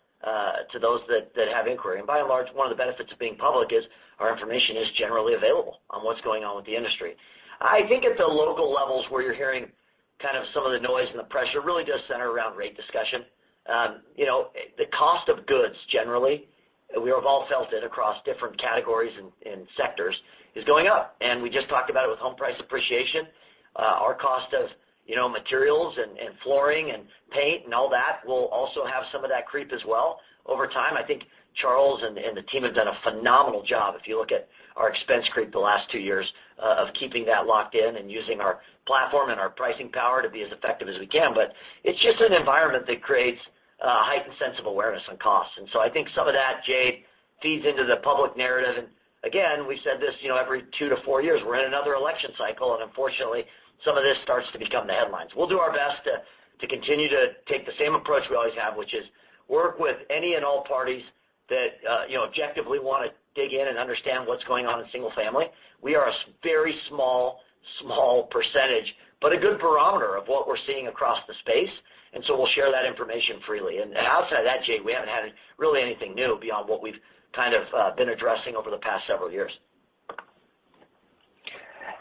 to those that have inquiry. By and large, one of the benefits of being public is our information is generally available on what's going on with the industry. I think at the local levels where you're hearing kind of some of the noise and the pressure really does center around rate discussion. You know, the cost of goods generally, we have all felt it across different categories and sectors, is going up. We just talked about it with home price appreciation. Our cost of, you know, materials and flooring and paint and all that will also have some of that creep as well over time. I think Charles and the team have done a phenomenal job. If you look at our expense creep the last two years of keeping that locked in and using our platform and our pricing power to be as effective as we can. It's just an environment that creates a heightened sense of awareness on costs. I think some of that, Jade, feeds into the public narrative. Again, we said this, you know, every two to four years, we're in another election cycle, and unfortunately, some of this starts to become the headlines. We'll do our best to continue to take the same approach we always have, which is work with any and all parties that, you know, objectively wanna dig in and understand what's going on in single family. We are a very small percentage, but a good barometer of what we're seeing across the space, and so we'll share that information freely. Outside of that, Jade, we haven't had really anything new beyond what we've kind of been addressing over the past several years.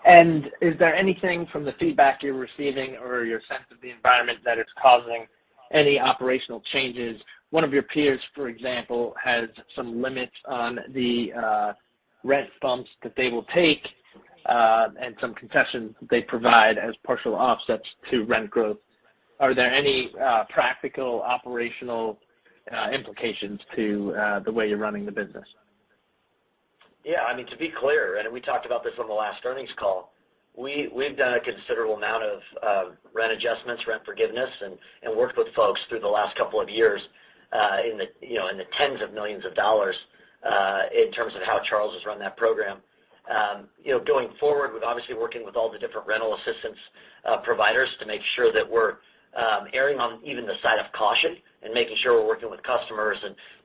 Is there anything from the feedback you're receiving or your sense of the environment that it's causing any operational changes? One of your peers, for example, has some limits on the rent bumps that they will take, and some concessions they provide as partial offsets to rent growth. Are there any practical operational implications to the way you're running the business? Yeah. I mean, to be clear, and we talked about this on the last earnings call, we've done a considerable amount of rent adjustments, rent forgiveness, and worked with folks through the last couple of years in the tens of millions of dollars in terms of how Charles has run that program. You know, going forward with obviously working with all the different rental assistance providers to make sure that we're erring on even the side of caution and making sure we're working with customers.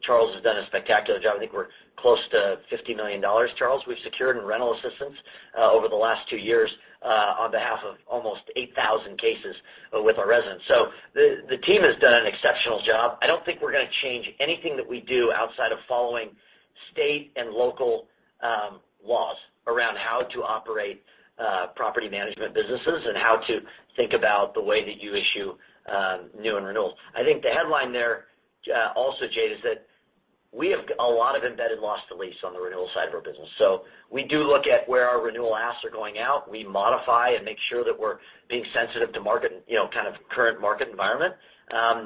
Charles has done a spectacular job. I think we're close to $50 million, Charles, we've secured in rental assistance over the last two years on behalf of almost 8,000 cases with our residents. The team has done an exceptional job. I don't think we're gonna change anything that we do outside of following state and local laws around how to operate property management businesses and how to think about the way that you issue new and renewals. I think the headline there, also, Jade, is that we have a lot of embedded loss to lease on the renewal side of our business. We do look at where our renewal asks are going out. We modify and make sure that we're being sensitive to market, you know, kind of current market environment.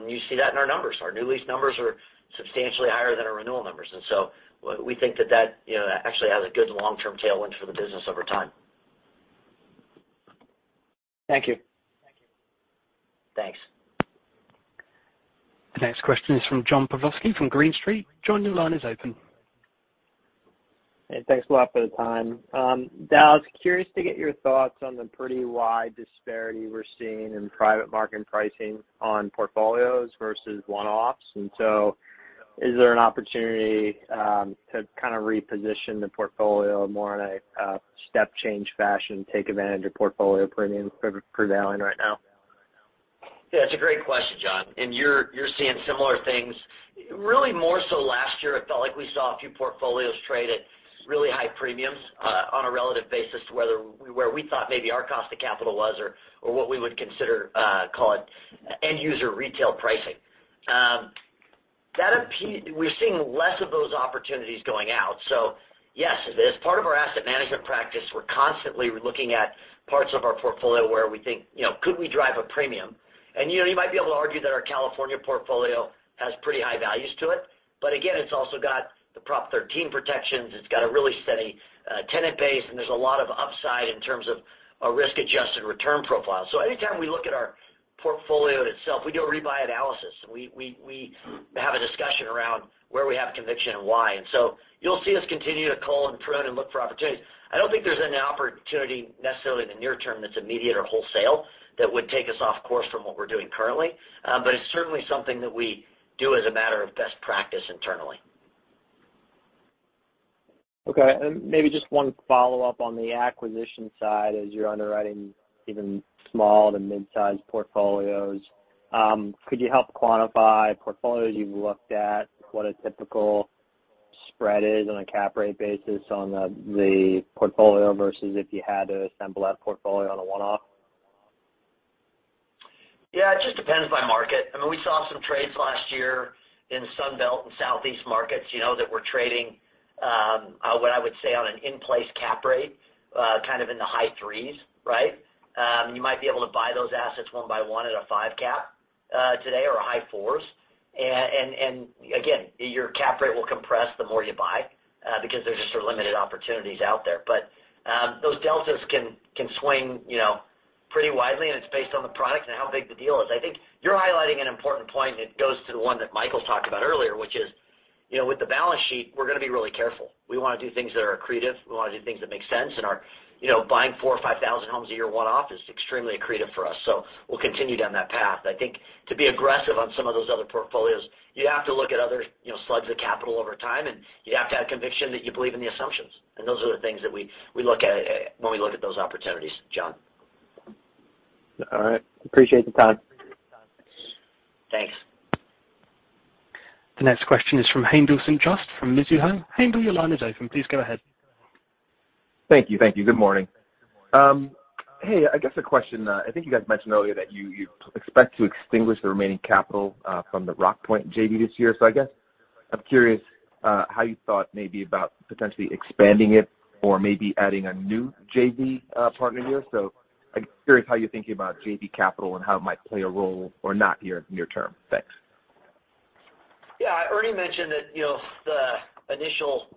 You see that in our numbers. Our new lease numbers are substantially higher than our renewal numbers. We think that, you know, actually has a good long-term tailwind for the business over time. Thank you. Thanks. The next question is from John Pawlowski from Green Street. John, your line is open. Thanks a lot for the time. Dal, I was curious to get your thoughts on the pretty wide disparity we're seeing in private market pricing on portfolios versus one-offs. Is there an opportunity to kind of reposition the portfolio more in a step change fashion, take advantage of portfolio premiums predominant right now? Yeah. It's a great question, John. You're seeing similar things. Really more so last year, it felt like we saw a few portfolios trade at really high premiums on a relative basis to where we thought maybe our cost of capital was or what we would consider call it end user retail pricing. We're seeing less of those opportunities going out. Yes, as part of our asset management practice, we're constantly looking at parts of our portfolio where we think you know could we drive a premium? You know, you might be able to argue that our California portfolio has pretty high values to it. Again, it's also got the Proposition 13 protections. It's got a really steady tenant base, and there's a lot of upside in terms of a risk-adjusted return profile. Anytime we look at our portfolio itself, we do a rebuy analysis. We have a discussion around where we have conviction and why. You'll see us continue to cull and prune and look for opportunities. I don't think there's an opportunity necessarily in the near term that's immediate or wholesale that would take us off course from what we're doing currently. It's certainly something that we do as a matter of best practice internally. Okay. Maybe just one follow-up on the acquisition side as you're underwriting even small to mid-sized portfolios. Could you help quantify portfolios you've looked at, what a typical spread is on a cap rate basis on the portfolio versus if you had to assemble that portfolio on a one-off? Yeah, it just depends by market. I mean, we saw some trades last year in Sun Belt and Southeast markets, you know, that were trading, what I would say on an in-place cap rate, kind of in the high 3s, right? You might be able to buy those assets one by one at a five cap, today or high 4s. Again, your cap rate will compress the more you buy, because there's just so limited opportunities out there. Those deltas can swing, you know, pretty widely, and it's based on the product and how big the deal is. I think you're highlighting an important point, and it goes to the one that Michael talked about earlier, which is, you know, with the balance sheet, we're gonna be really careful. We wanna do things that are accretive. We wanna do things that make sense, and are, you know, buying 4,000 or 5,000 homes a year one-off is extremely accretive for us. We'll continue down that path. I think to be aggressive on some of those other portfolios, you have to look at other, you know, slugs of capital over time, and you have to have conviction that you believe in the assumptions. Those are the things that we look at when we look at those opportunities, John. All right. Appreciate the time. Thanks. The next question is from Haendel St. Juste from Mizuho. Haendel, your line is open. Please go ahead. Thank you. Good morning. Hey, I guess a question. I think you guys mentioned earlier that you expect to extinguish the remaining capital from the Rockpoint JV this year. I guess I'm curious how you thought maybe about potentially expanding it or maybe adding a new JV partner here. I'm curious how you're thinking about JV capital and how it might play a role or not here near term. Thanks. Yeah. I already mentioned that, you know, the initial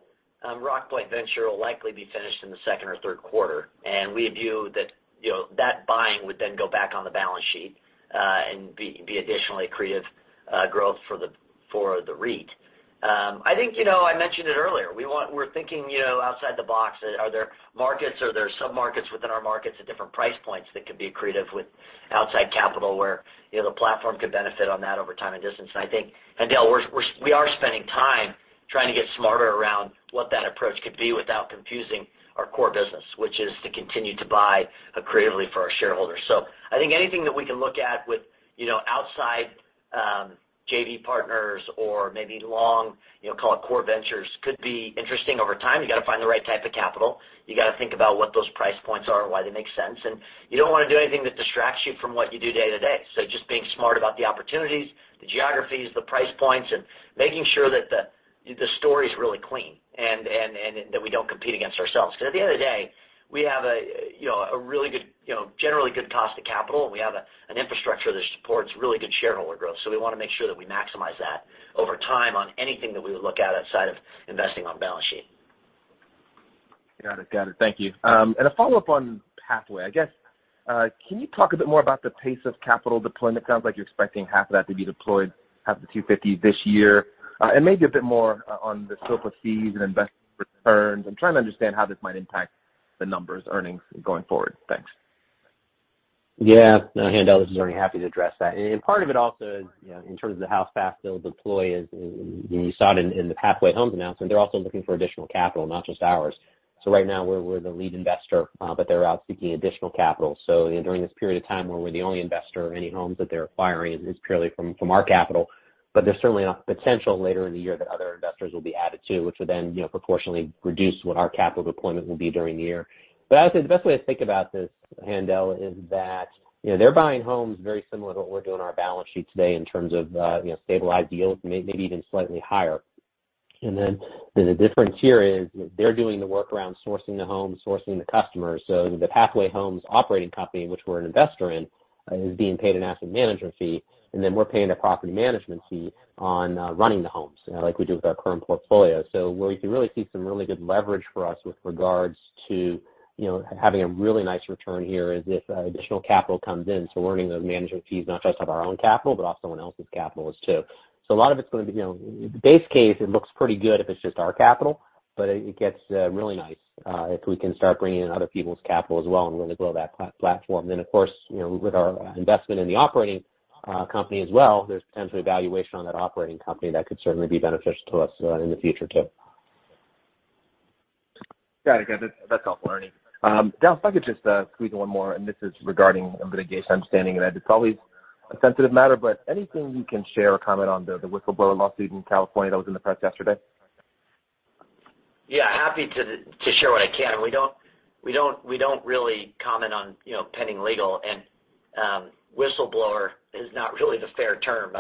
Rockpoint venture will likely be finished in the second or third quarter, and we view that, you know, that buying would then go back on the balance sheet and be additionally accretive growth for the REIT. I think, you know, I mentioned it earlier. We're thinking, you know, outside the box. Are there markets, are there sub-markets within our markets at different price points that could be accretive with outside capital where, you know, the platform could benefit on that over time and distance? I think, and Dallas, we are spending time trying to get smarter around what that approach could be without confusing our core business, which is to continue to buy accretively for our shareholders. I think anything that we can look at with, you know, outside JV partners or maybe long, you know, call it core ventures, could be interesting over time. You gotta find the right type of capital. You gotta think about what those price points are and why they make sense. You don't wanna do anything that distracts you from what you do day-to-day. Just being smart about the opportunities, the geographies, the price points, and making sure that the story's really clean and that we don't compete against ourselves. 'Cause at the end of the day, we have a, you know, a really good, you know, generally good cost of capital. We have an infrastructure that supports really good shareholder growth. We wanna make sure that we maximize that over time on anything that we would look at outside of investing on balance sheet. Got it. Thank you. A follow-up on Pathway. I guess, can you talk a bit more about the pace of capital deployment? It sounds like you're expecting half of that to be deployed, half the 250 this year. Maybe a bit more on the scope of fees and investment returns. I'm trying to understand how this might impact the numbers, earnings going forward. Thanks. Yeah. No, Haendel, this is Ernie. Happy to address that. Part of it also is, you know, in terms of the how fast they'll deploy is, and you saw it in the Pathway Homes announcement, they're also looking for additional capital, not just ours. Right now we're the lead investor, but they're out seeking additional capital. During this period of time where we're the only investor, any homes that they're acquiring is purely from our capital. There's certainly a potential later in the year that other investors will be added to, which will then, you know, proportionately reduce what our capital deployment will be during the year. I'd say the best way to think about this, Haendel, is that, you know, they're buying homes very similar to what we're doing on our balance sheet today in terms of, you know, stabilized deals, maybe even slightly higher. Then the difference here is they're doing the work around sourcing the home, sourcing the customers. The Pathway Homes operating company, which we're an investor in, is being paid an asset management fee, and then we're paying a property management fee on running the homes, like we do with our current portfolio. Where we can really see some really good leverage for us with regards to, you know, having a really nice return here is if additional capital comes in. Earning those management fees, not just of our own capital, but also someone else's capital is too. A lot of it's gonna be, you know, base case, it looks pretty good if it's just our capital. It gets really nice if we can start bringing in other people's capital as well and really grow that platform. Of course, you know, with our investment in the operating company as well, there's potentially a valuation on that operating company that could certainly be beneficial to us in the future too. Got it. That's helpful, Ernie. Dallas, if I could just squeeze in one more, this is regarding litigation. It's stunning, and it's always a sensitive matter, but anything you can share or comment on the whistleblower lawsuit in California that was in the press yesterday? Yeah, happy to share what I can. We don't really comment on, you know, pending legal and whistleblower is not really the fair term.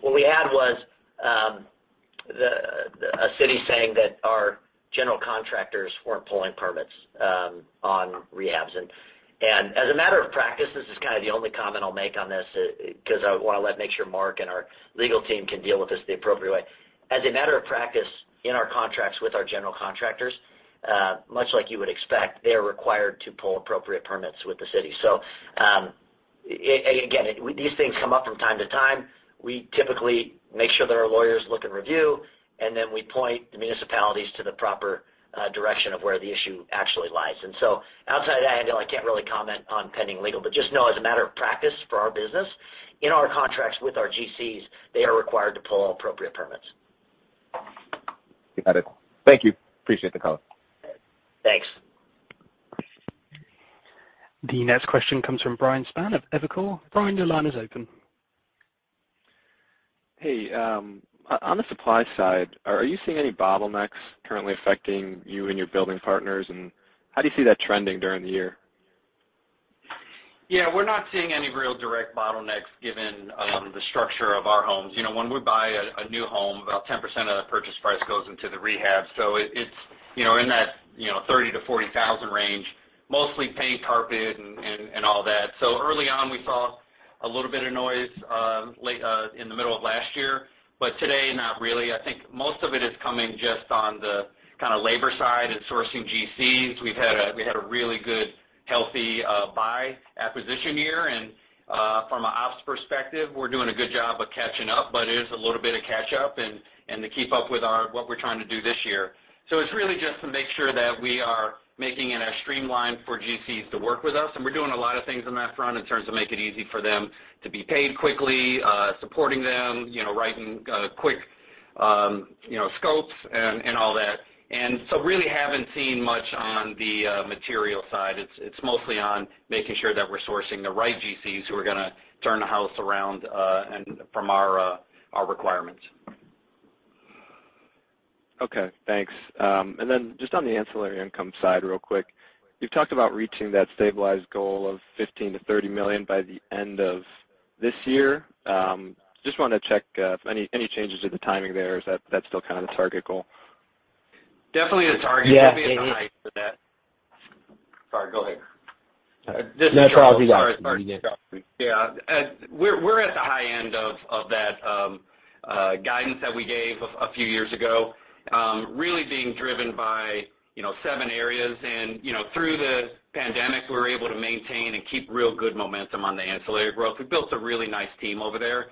What we had was a city saying that our general contractors weren't pulling permits on rehabs. As a matter of practice, this is kind of the only comment I'll make on this 'cause I wanna make sure Mark and our legal team can deal with this the appropriate way. As a matter of practice, in our contracts with our general contractors, much like you would expect, they're required to pull appropriate permits with the city. Again, these things come up from time to time. We typically make sure that our lawyers look and review, and then we point the municipalities to the proper direction of where the issue actually lies. Outside of that, I know I can't really comment on pending legal. Just know as a matter of practice for our business, in our contracts with our GCs, they are required to pull all appropriate permits. Got it. Thank you. Appreciate the call. Thanks. The next question comes from Brian Spahn of Evercore. Brian, your line is open. Hey, on the supply side, are you seeing any bottlenecks currently affecting you and your building partners, and how do you see that trending during the year? Yeah, we're not seeing any real direct bottlenecks given the structure of our homes. You know, when we buy a new home, about 10% of the purchase price goes into the rehab. So it's, you know, in that $30,000-$40,000 range, mostly paint, carpet, and all that. Early on, we saw a little bit of noise late in the middle of last year, but today, not really. I think most of it is coming just on the kinda labor side and sourcing GCs. We had a really good, healthy buy acquisition year and, from a ops perspective, we're doing a good job of catching up, but it is a little bit of catch up and to keep up with what we're trying to do this year. It's really just to make sure that we are making it as streamlined for GCs to work with us, and we're doing a lot of things on that front in terms of making it easy for them to be paid quickly, supporting them, you know, writing quick you know scopes and all that. Really haven't seen much on the material side. It's mostly on making sure that we're sourcing the right GCs who are gonna turn the house around and from our requirements. Okay, thanks. Just on the ancillary income side real quick, you've talked about reaching that stabilized goal of $15 million-$30 million by the end of this year. Just wanna check if any changes to the timing there. Is that still kind of the target goal? Definitely the target. Yeah. Sorry, go ahead. No, Charles, you got this. Sorry. Yeah. We're at the high end of that guidance that we gave a few years ago, really being driven by, you know, seven areas. You know, through the pandemic, we were able to maintain and keep real good momentum on the ancillary growth. We built a really nice team over there.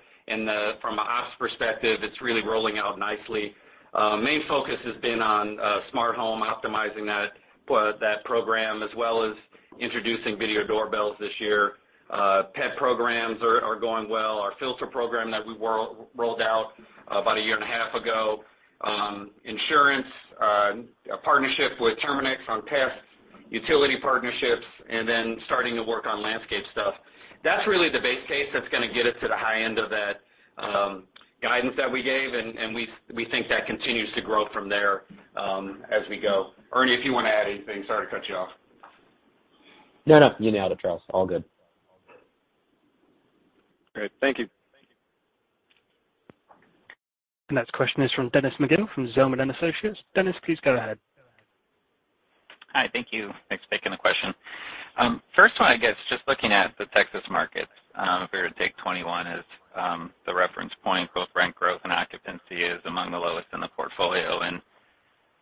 From an ops perspective, it's really rolling out nicely. Main focus has been on smart home, optimizing that program, as well as introducing video doorbells this year. Pet programs are going well. Our filter program that we rolled out about a year and a half ago. Insurance, a partnership with Terminix on pest, utility partnerships, and then starting to work on landscape stuff. That's really the base case that's gonna get us to the high end of that guidance that we gave, and we think that continues to grow from there, as we go. Ernie, if you wanna add anything. Sorry to cut you off. No, no. You nailed it, Charles. All good. Great. Thank you. Next question is from Dennis McGill from Zelman & Associates. Dennis, please go ahead. Hi. Thank you. Thanks for taking the question. First one, I guess just looking at the Texas markets, if we were to take 2021 as the reference point, both rent growth and occupancy is among the lowest in the portfolio.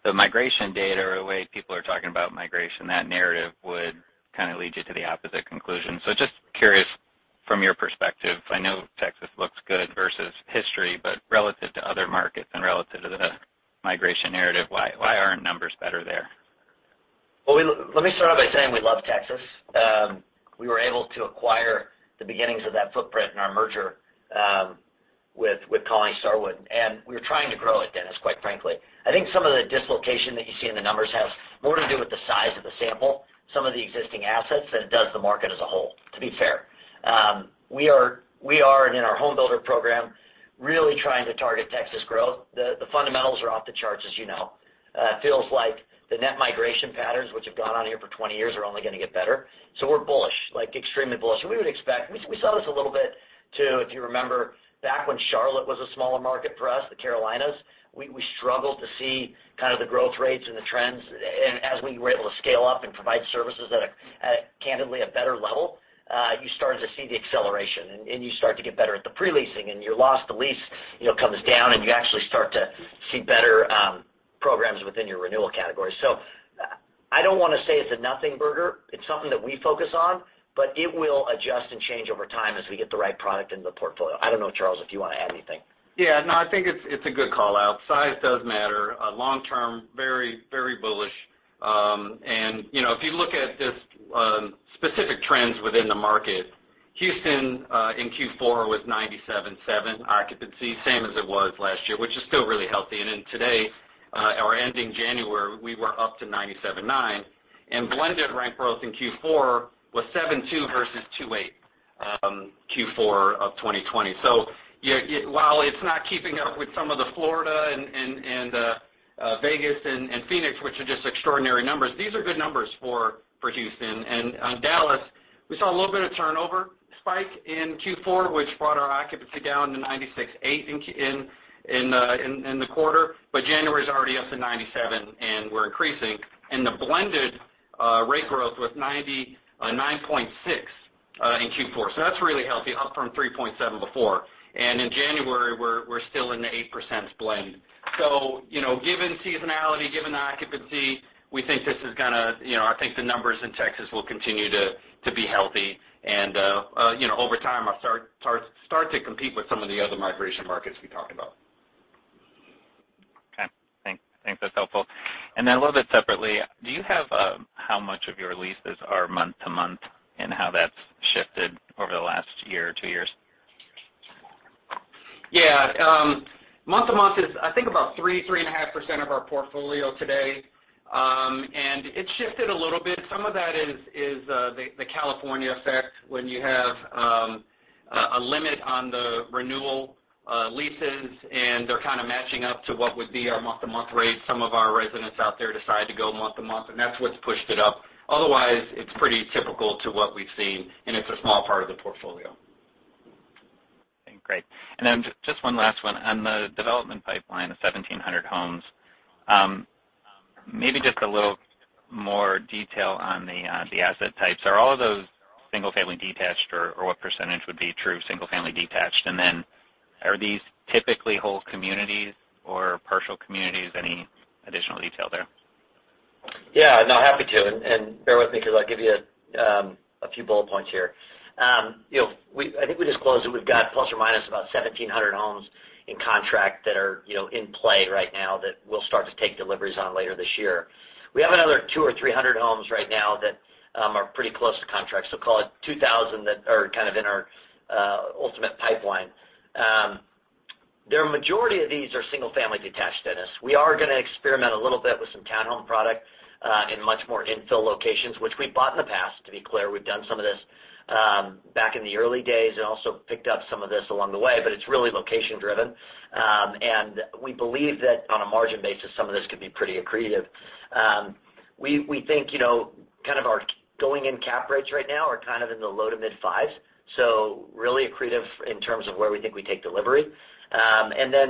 The migration data or the way people are talking about migration, that narrative would kinda lead you to the opposite conclusion. Just curious from your perspective, I know Texas looks good versus history, but relative to other markets and relative to the migration narrative, why aren't numbers better there? Well, let me start off by saying we love Texas. We were able to acquire the beginnings of that footprint in our merger with Colony Starwood, and we're trying to grow it, Dennis, quite frankly. I think some of the dislocation that you see in the numbers has more to do with the size of the sample, some of the existing assets than it does the market as a whole, to be fair. We are in our home builder program really trying to target Texas growth. The fundamentals are off the charts, as you know. It feels like the net migration patterns which have gone on here for 20 years are only gonna get better. We're bullish, like extremely bullish. We would expect... We saw this a little bit too, if you remember back when Charlotte was a smaller market for us, the Carolinas, we struggled to see kind of the growth rates and the trends. As we were able to scale up and provide services at a candidly a better level, you started to see the acceleration and you start to get better at the pre-leasing and your loss to lease, you know, comes down and you actually start to see better programs within your renewal campaigns. I don't wanna say it's a nothing burger. It's something that we focus on, but it will adjust and change over time as we get the right product into the portfolio. I don't know, Charles, if you wanna add anything. Yeah. No, I think it's a good call-out. Size does matter. Long-term, very, very bullish. You know, if you look at this specific trends within the market, Houston in Q4 was 97.7% occupancy, same as it was last year, which is still really healthy. Then today, or ending January, we were up to 97.9%, and blended rent growth in Q4 was 7.2% versus 2.8% Q4 of 2020. So while it's not keeping up with some of the Florida and Vegas and Phoenix, which are just extraordinary numbers, these are good numbers for Houston. Dallas, we saw a little bit of turnover spike in Q4, which brought our occupancy down to 96.8% in the quarter. January's already up to 97%, and we're increasing. The blended rate growth was 99.6% in Q4. That's really healthy, up from 3.7% before. In January, we're still in the 8% blend. You know, given seasonality, given the occupancy, we think this is gonna, you know, I think the numbers in Texas will continue to be healthy, and, you know, over time will start to compete with some of the other migration markets we talked about. Okay. Thanks. I think that's helpful. A little bit separately, do you have how much of your leases are month to month and how that's shifted over the last year or two years? Yeah. Month to month is I think about 3.5% of our portfolio today. It's shifted a little bit. Some of that is the California effect when you have a limit on the renewal leases, and they're kind of matching up to what would be our month-to-month rate. Some of our residents out there decide to go month to month, and that's what's pushed it up. Otherwise, it's pretty typical to what we've seen, and it's a small part of the portfolio. Okay. Great. Just one last one. On the development pipeline of 1,700 homes, maybe just a little more detail on the asset types. Are all of those single-family detached, or what percentage would be true single-family detached? Are these typically whole communities or partial communities? Any additional detail there? Yeah. No, happy to. Bear with me 'cause I'll give you a few bullet points here. I think we disclosed that we've got ±1,700 homes in contract that are, you know, in play right now that we'll start to take deliveries on later this year. We have another 200 or 300 homes right now that are pretty close to contract. Call it 2,000 that are kind of in our ultimate pipeline. The majority of these are single-family detached, Dennis. We are gonna experiment a little bit with some townhome product in much more infill locations, which we've bought in the past, to be clear. We've done some of this back in the early days and also picked up some of this along the way, but it's really location-driven. We believe that on a margin basis, some of this could be pretty accretive. We think, you know, kind of our going-in cap rates right now are kind of in the low- to mid-5s, so really accretive in terms of where we think we take delivery.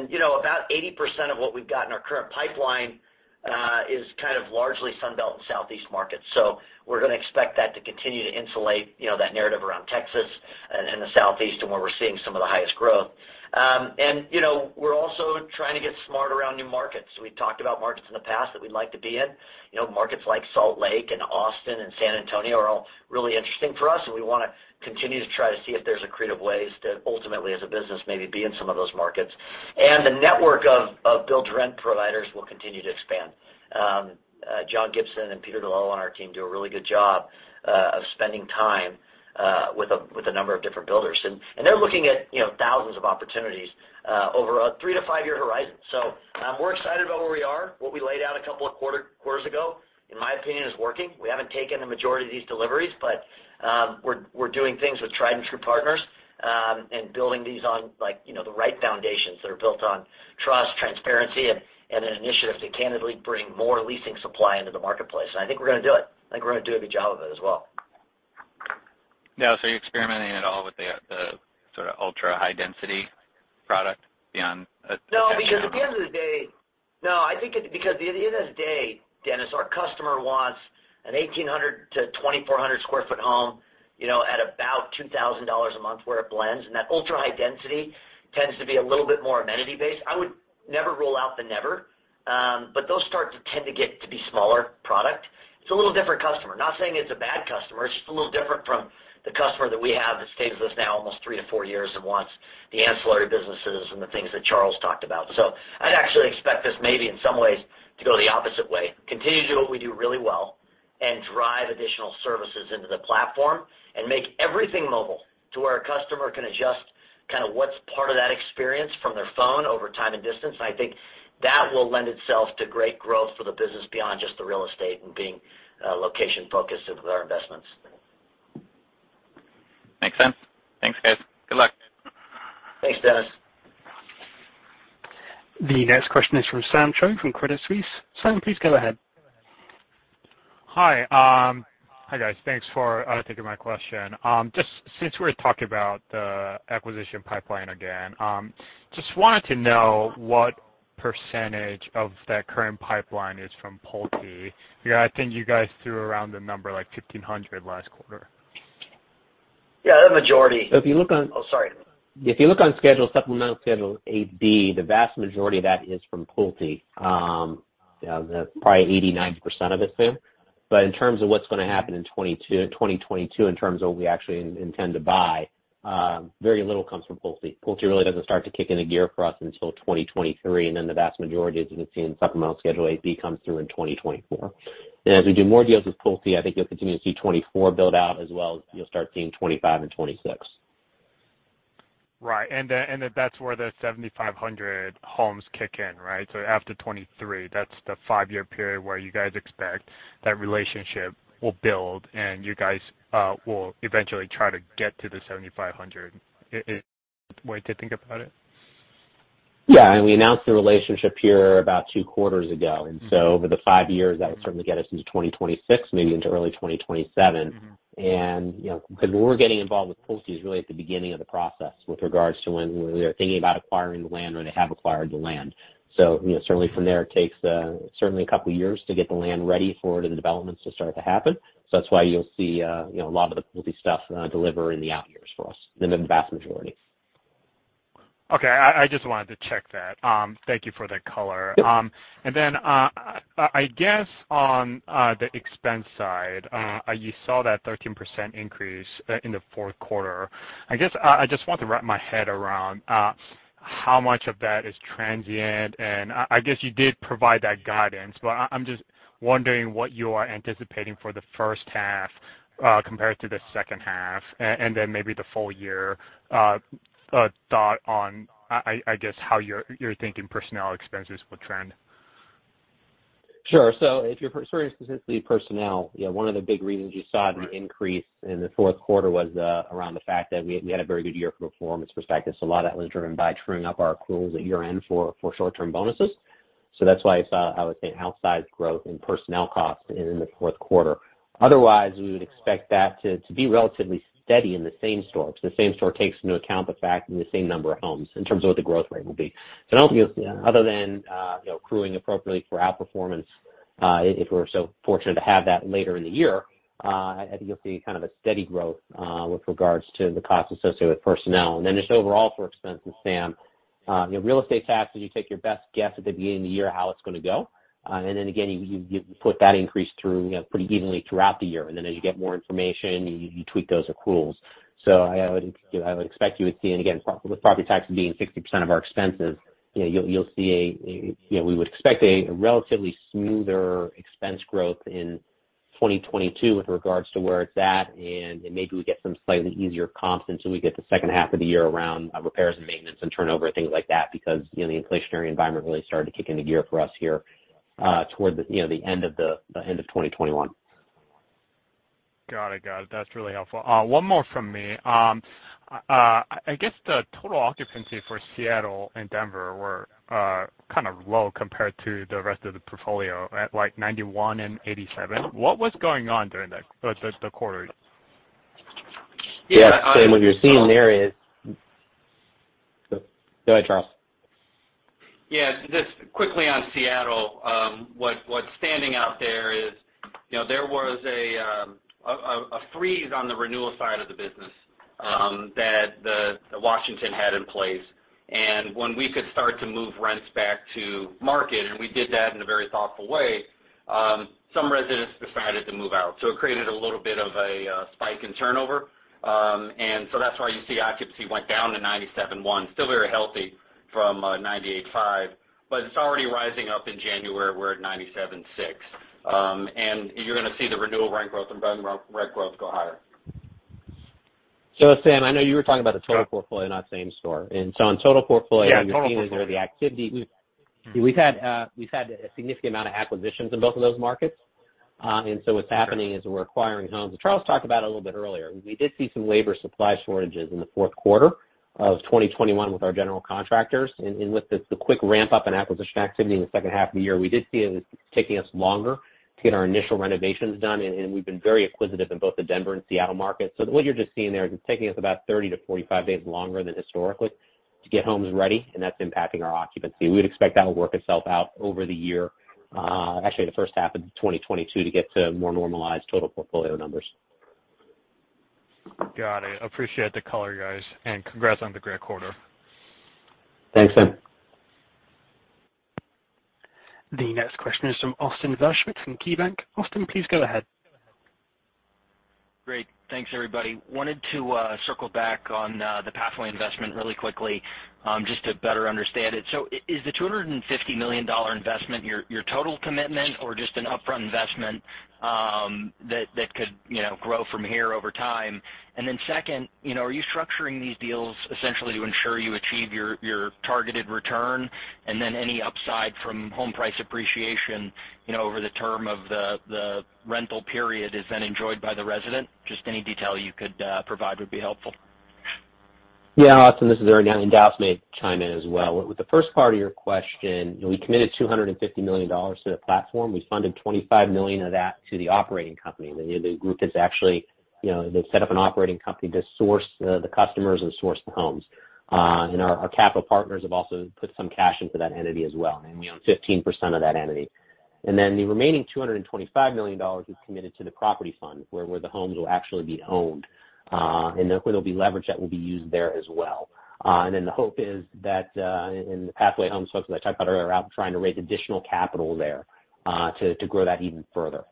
You know, about 80% of what we've got in our current pipeline is kind of largely Sun Belt and Southeast markets. We're gonna expect that to continue to insulate, you know, that narrative around Texas and the Southeast and where we're seeing some of the highest growth. You know, we're also trying to get smart around new markets. We've talked about markets in the past that we'd like to be in. You know, markets like Salt Lake and Austin and San Antonio are all really interesting for us, and we wanna continue to try to see if there's accretive ways to ultimately, as a business, maybe be in some of those markets. The network of build-to-rent providers will continue to expand. John Gibson and Peter DiLello on our team do a really good job of spending time with a number of different builders. They're looking at, you know, thousands of opportunities over a three to five-year horizon. We're excited about where we are. What we laid out a couple of quarters ago, in my opinion, is working. We haven't taken the majority of these deliveries, but we're doing things with tried and true partners and building these on, like, you know, the right foundations that are built on trust, transparency, and an initiative to candidly bring more leasing supply into the marketplace. I think we're gonna do it. I think we're gonna do a good job of it as well. Now, are you experimenting at all with the sort of ultra-high density product beyond the townhome? At the end of the day, Dennis, our customer wants a 1,800-2,400 sq ft home, you know, at about $2,000 a month where it blends, and that ultra-high density tends to be a little bit more amenity-based. I would never say never, but those start to tend to get to be smaller product. It's a little different customer. Not saying it's a bad customer. It's just a little different from the customer that we have that stays with us now almost three to four years and wants the ancillary businesses and the things that Charles talked about. I'd actually expect this maybe in some ways to go the opposite way, continue to do what we do really well, and drive additional services into the platform and make everything mobile to where our customer can adjust kind of what's part of that experience from their phone over time and distance. I think that will lend itself to great growth for the business beyond just the real estate and being location-focused with our investments. Makes sense. Thanks, guys. Good luck. Thanks, Dennis. The next question is from Sam Choe from Credit Suisse. Sam, please go ahead. Hi. Hi, guys. Thanks for taking my question. Just since we're talking about the acquisition pipeline again, just wanted to know what percentage of that current pipeline is from Pulte, because I think you guys threw around a number like 1,500 last quarter. Yeah, the majority. If you look on Oh, sorry. If you look on supplemental Schedule 8-B, the vast majority of that is from Pulte. Yeah, that's probably 80%-90% of it, Sam. In terms of what's gonna happen in 2022 in terms of what we actually intend to buy, very little comes from Pulte. Pulte really doesn't start to kick into gear for us until 2023, and then the vast majority, as you can see in supplemental Schedule 8-B, comes through in 2024. As we do more deals with Pulte, I think you'll continue to see 2024 build out as well. You'll start seeing 2025 and 2026. Right. That's where the 7,500 homes kick in, right? After 2023, that's the five-year period where you guys expect that relationship will build, and you guys will eventually try to get to the 7,500. Is the way to think about it? Yeah. We announced the relationship here about two quarters ago. Over the five years, that would certainly get us into 2026, maybe into early 2027. Mm-hmm. You know, because when we're getting involved with Pulte is really at the beginning of the process with regards to when we are thinking about acquiring the land or they have acquired the land. You know, certainly from there, it takes certainly a couple years to get the land ready for the developments to start to happen. That's why you'll see, you know, a lot of the Pulte stuff deliver in the out years for us, and the vast majority. Okay. I just wanted to check that. Thank you for the color. Yep. I guess on the expense side, you saw that 13% increase in the fourth quarter. I guess I just want to wrap my head around how much of that is transient. I guess you did provide that guidance, but I'm just wondering what you are anticipating for the first half compared to the second half, and then maybe the full year thought on, I guess, how you're thinking personnel expenses will trend. Sure. If you're specifically personnel, you know, one of the big reasons you saw an increase in the fourth quarter was around the fact that we had a very good year from a performance perspective. A lot of that was driven by truing up our accruals at year-end for short-term bonuses. That's why you saw, I would say, an outsized growth in personnel costs in the fourth quarter. Otherwise, we would expect that to be relatively steady in the same-store, because the same-store takes into account the fact in the same number of homes in terms of what the growth rate will be. I don't think you'll see, other than you know, accruing appropriately for outperformance, if we're so fortunate to have that later in the year, I think you'll see kind of a steady growth with regards to the costs associated with personnel. Then just overall for expenses, Sam, you know, real estate taxes, you take your best guess at the beginning of the year how it's gonna go. And then again, you put that increase through, you know, pretty evenly throughout the year. Then as you get more information, you tweak those accruals. I would, you know, expect you would see, and again, with property taxes being 60% of our expenses, you know, you'll see, you know, we would expect a relatively smoother expense growth in 2022 with regards to where it's at. Maybe we get some slightly easier comps until we get to second half of the year around repairs and maintenance and turnover, things like that. Because, you know, the inflationary environment really started to kick into gear for us here, toward the, you know, the end of 2021. Got it. That's really helpful. One more from me. I guess the total occupancy for Seattle and Denver were kind of low compared to the rest of the portfolio at, like, 91% and 87%. What was going on during that quarter? Yeah. Sam, what you're seeing there is. Go ahead, Charles. Yeah. Just quickly on Seattle, what's standing out there is, you know, there was a freeze on the renewal side of the business that the Washington had in place. When we could start to move rents back to market, and we did that in a very thoughtful way, some residents decided to move out. It created a little bit of a spike in turnover. That's why you see occupancy went down to 97.1%, still very healthy from 98.5%, but it's already rising up in January. We're at 97.6%. You're gonna see the renewal rent growth and rev rent growth go higher. Sam, I know you were talking about the total portfolio, not same store on total portfolio. Yeah, total portfolio. What you're seeing is the activity there. We've had a significant amount of acquisitions in both of those markets. What's happening is we're acquiring homes. As Charles talked about a little bit earlier, we did see some labor supply shortages in the fourth quarter of 2021 with our general contractors. With this quick ramp-up in acquisition activity in the second half of the year, we did see it taking us longer to get our initial renovations done. We've been very acquisitive in both the Denver and Seattle markets. What you're just seeing there is it's taking us about 30-45 days longer than historically to get homes ready, and that's impacting our occupancy. We would expect that will work itself out over the year, actually the first half of 2022 to get to more normalized total portfolio numbers. Got it. Appreciate the color, guys. Congrats on the great quarter. Thanks, Sam. The next question is from Austin Wurschmidt from KeyBanc. Austin, please go ahead. Great. Thanks, everybody. I wanted to circle back on the Pathway investment really quickly, just to better understand it. Is the $250 million investment your total commitment or just an upfront investment that could, you know, grow from here over time? Second, are you structuring these deals essentially to ensure you achieve your targeted return? Any upside from home price appreciation, you know, over the term of the rental period is then enjoyed by the resident? Just any detail you could provide would be helpful. Yeah. Austin Wurschmidt, this is Ernie Freedman. Dallas may chime in as well. With the first part of your question, you know, we committed $250 million to the platform. We funded $25 million of that to the operating company. The group has actually, you know, they've set up an operating company to source the customers and source the homes. Our capital partners have also put some cash into that entity as well, and we own 15% of that entity. Then the remaining $225 million is committed to the property fund where the homes will actually be owned, and there'll be leverage that will be used there as well. The hope is that in the Pathway Homes folks that I talked about earlier are out trying to raise additional capital there to grow that even further.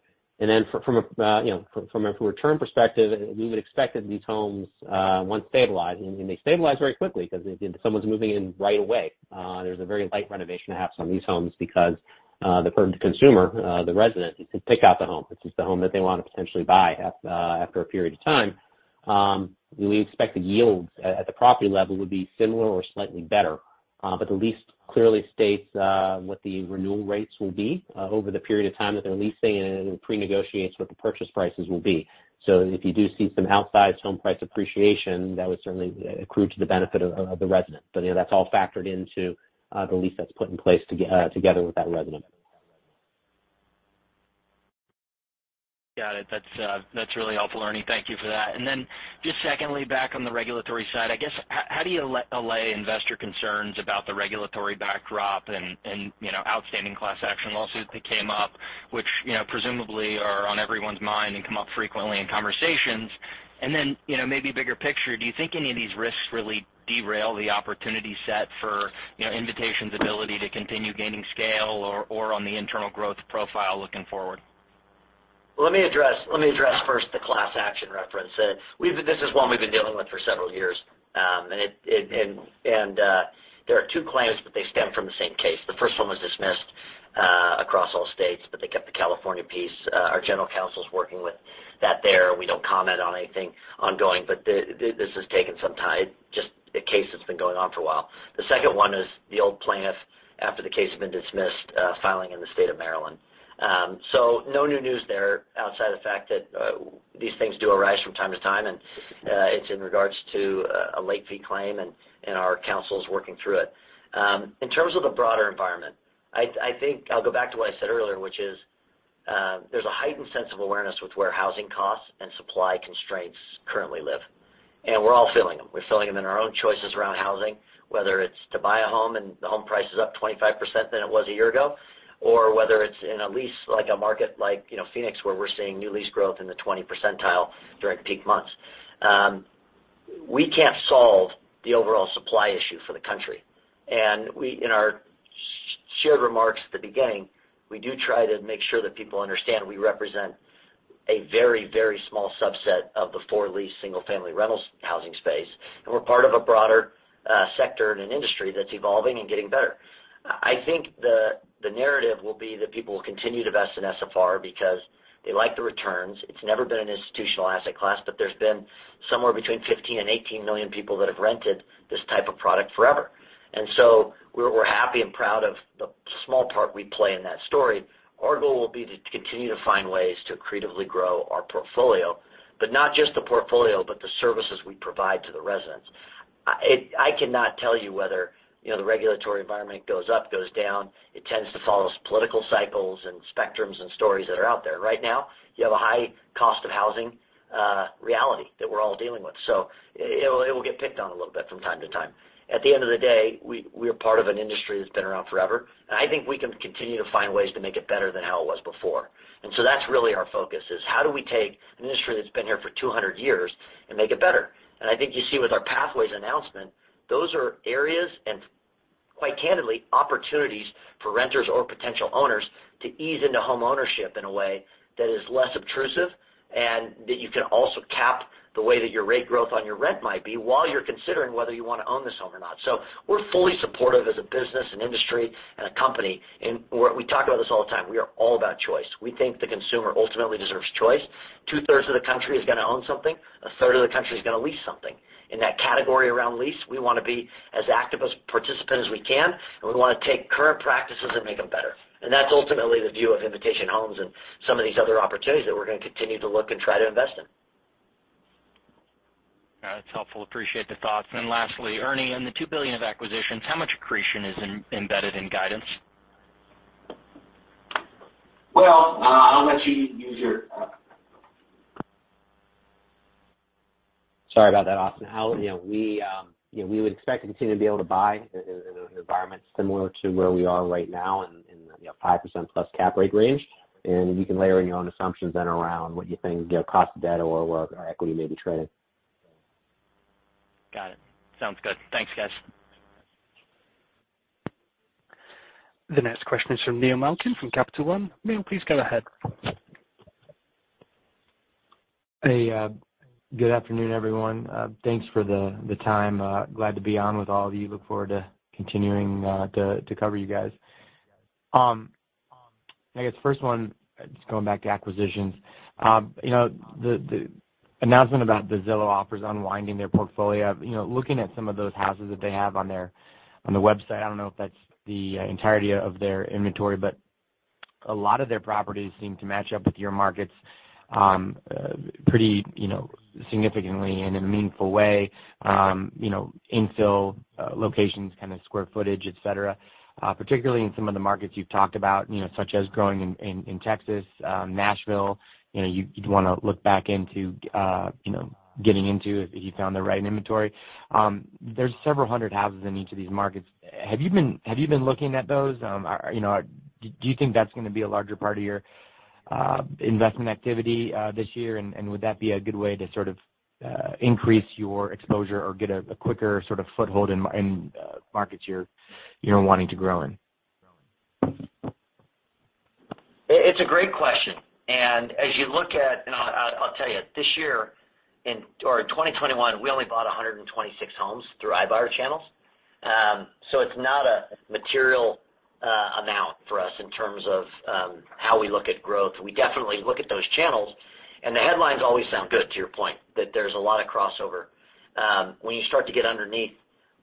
From a, you know, from a return perspective, we would expect that these homes once stabilized, and they stabilize very quickly because if someone's moving in right away, there's a very light renovation to have some of these homes because the current consumer the resident can pick out the home. This is the home that they wanna potentially buy after a period of time. We expect the yields at the property level would be similar or slightly better. The lease clearly states what the renewal rates will be over the period of time that they're leasing and it pre-negotiates what the purchase prices will be. If you do see some outsized home price appreciation, that would certainly accrue to the benefit of the resident. You know, that's all factored into the lease that's put in place together with that resident. Got it. That's really helpful, Ernie. Thank you for that. Just secondly, back on the regulatory side, I guess, how do you allay investor concerns about the regulatory backdrop and, you know, outstanding class action lawsuits that came up, which, you know, presumably are on everyone's mind and come up frequently in conversations? You know, maybe bigger picture, do you think any of these risks really derail the opportunity set for, you know, Invitation's ability to continue gaining scale or on the internal growth profile looking forward? Well, let me address first the class action reference. This is one we've been dealing with for several years. There are two claims, but they stem from the same case. The first one was dismissed across all states, but they kept the California piece. Our general counsel is working with that there. We don't comment on anything ongoing, but this has taken some time, just a case that's been going on for a while. The second one is the old plaintiff, after the case had been dismissed, filing in the state of Maryland. No new news there outside the fact that these things do arise from time to time, and it's in regards to a late fee claim, and our counsel is working through it. In terms of the broader environment, I think I'll go back to what I said earlier, which is, there's a heightened sense of awareness with where housing costs and supply constraints currently live. We're all feeling them. We're feeling them in our own choices around housing, whether it's to buy a home and the home price is up 25% than it was a year ago, or whether it's in a lease like a market like, you know, Phoenix, where we're seeing new lease growth in the 20th percentile during peak months. We can't solve the overall supply issue for the country. In our shared remarks at the beginning, we do try to make sure that people understand we represent a very, very small subset of the for-lease single-family rentals housing space. We're part of a broader sector and an industry that's evolving and getting better. I think the narrative will be that people will continue to invest in SFR because they like the returns. It's never been an institutional asset class, but there's been somewhere between 15 and 18 million people that have rented this type of product forever. We're happy and proud of the small part we play in that story. Our goal will be to continue to find ways to creatively grow our portfolio, but not just the portfolio, but the services we provide to the residents. I cannot tell you whether, you know, the regulatory environment goes up, goes down. It tends to follow political cycles and spectrums and stories that are out there. Right now, you have a high cost of housing reality that we're all dealing with. It will get picked on a little bit from time to time. At the end of the day, we are part of an industry that's been around forever, and I think we can continue to find ways to make it better than how it was before. That's really our focus is how do we take an industry that's been here for 200 years and make it better? I think you see with our Pathway announcement, those are areas and quite candidly, opportunities for renters or potential owners to ease into homeownership in a way that is less obtrusive and that you can also cap the way that your rate growth on your rent might be while you're considering whether you wanna own this home or not. We're fully supportive as a business, an industry, and a company. We talk about this all the time. We are all about choice. We think the consumer ultimately deserves choice. Two-thirds of the country is gonna own something, a third of the country is gonna lease something. In that category around lease, we wanna be as active a participant as we can, and we wanna take current practices and make them better. That's ultimately the view of Invitation Homes and some of these other opportunities that we're gonna continue to look and try to invest in. That's helpful. Appreciate the thoughts. Lastly, Ernie, on the $2 billion of acquisitions, how much accretion is embedded in guidance? Well, I'll let you use your. Sorry about that, Austin. You know, we would expect to continue to be able to buy in an environment similar to where we are right now in you know 5% plus cap rate range. You can layer in your own assumptions then around what you think you know cost of debt or where our equity may be trading. Got it. Sounds good. Thanks, guys. The next question is from Neil Malkin from Capital One. Neil, please go ahead. Hey, good afternoon, everyone. Thanks for the time. Glad to be on with all of you. Look forward to continuing to cover you guys. I guess first one, just going back to acquisitions. You know, the announcement about the Zillow Offers unwinding their portfolio. You know, looking at some of those houses that they have on their website, I don't know if that's the entirety of their inventory, but a lot of their properties seem to match up with your markets pretty, you know, significantly and in a meaningful way, you know, infill locations, kind of square footage, et cetera, particularly in some of the markets you've talked about, you know, such as growing in Texas, Nashville. You know, you'd wanna look back into, you know, getting into if you found the right inventory. There's several hundred houses in each of these markets. Have you been looking at those? You know, do you think that's gonna be a larger part of your investment activity this year, and would that be a good way to sort of increase your exposure or get a quicker sort of foothold in markets you're wanting to grow in? It's a great question. As you look at, I'll tell you, this year or 2021, we only bought 126 homes through iBuyer channels. So it's not a material amount for us in terms of how we look at growth. We definitely look at those channels, and the headlines always sound good to your point, that there's a lot of crossover. When you start to get underneath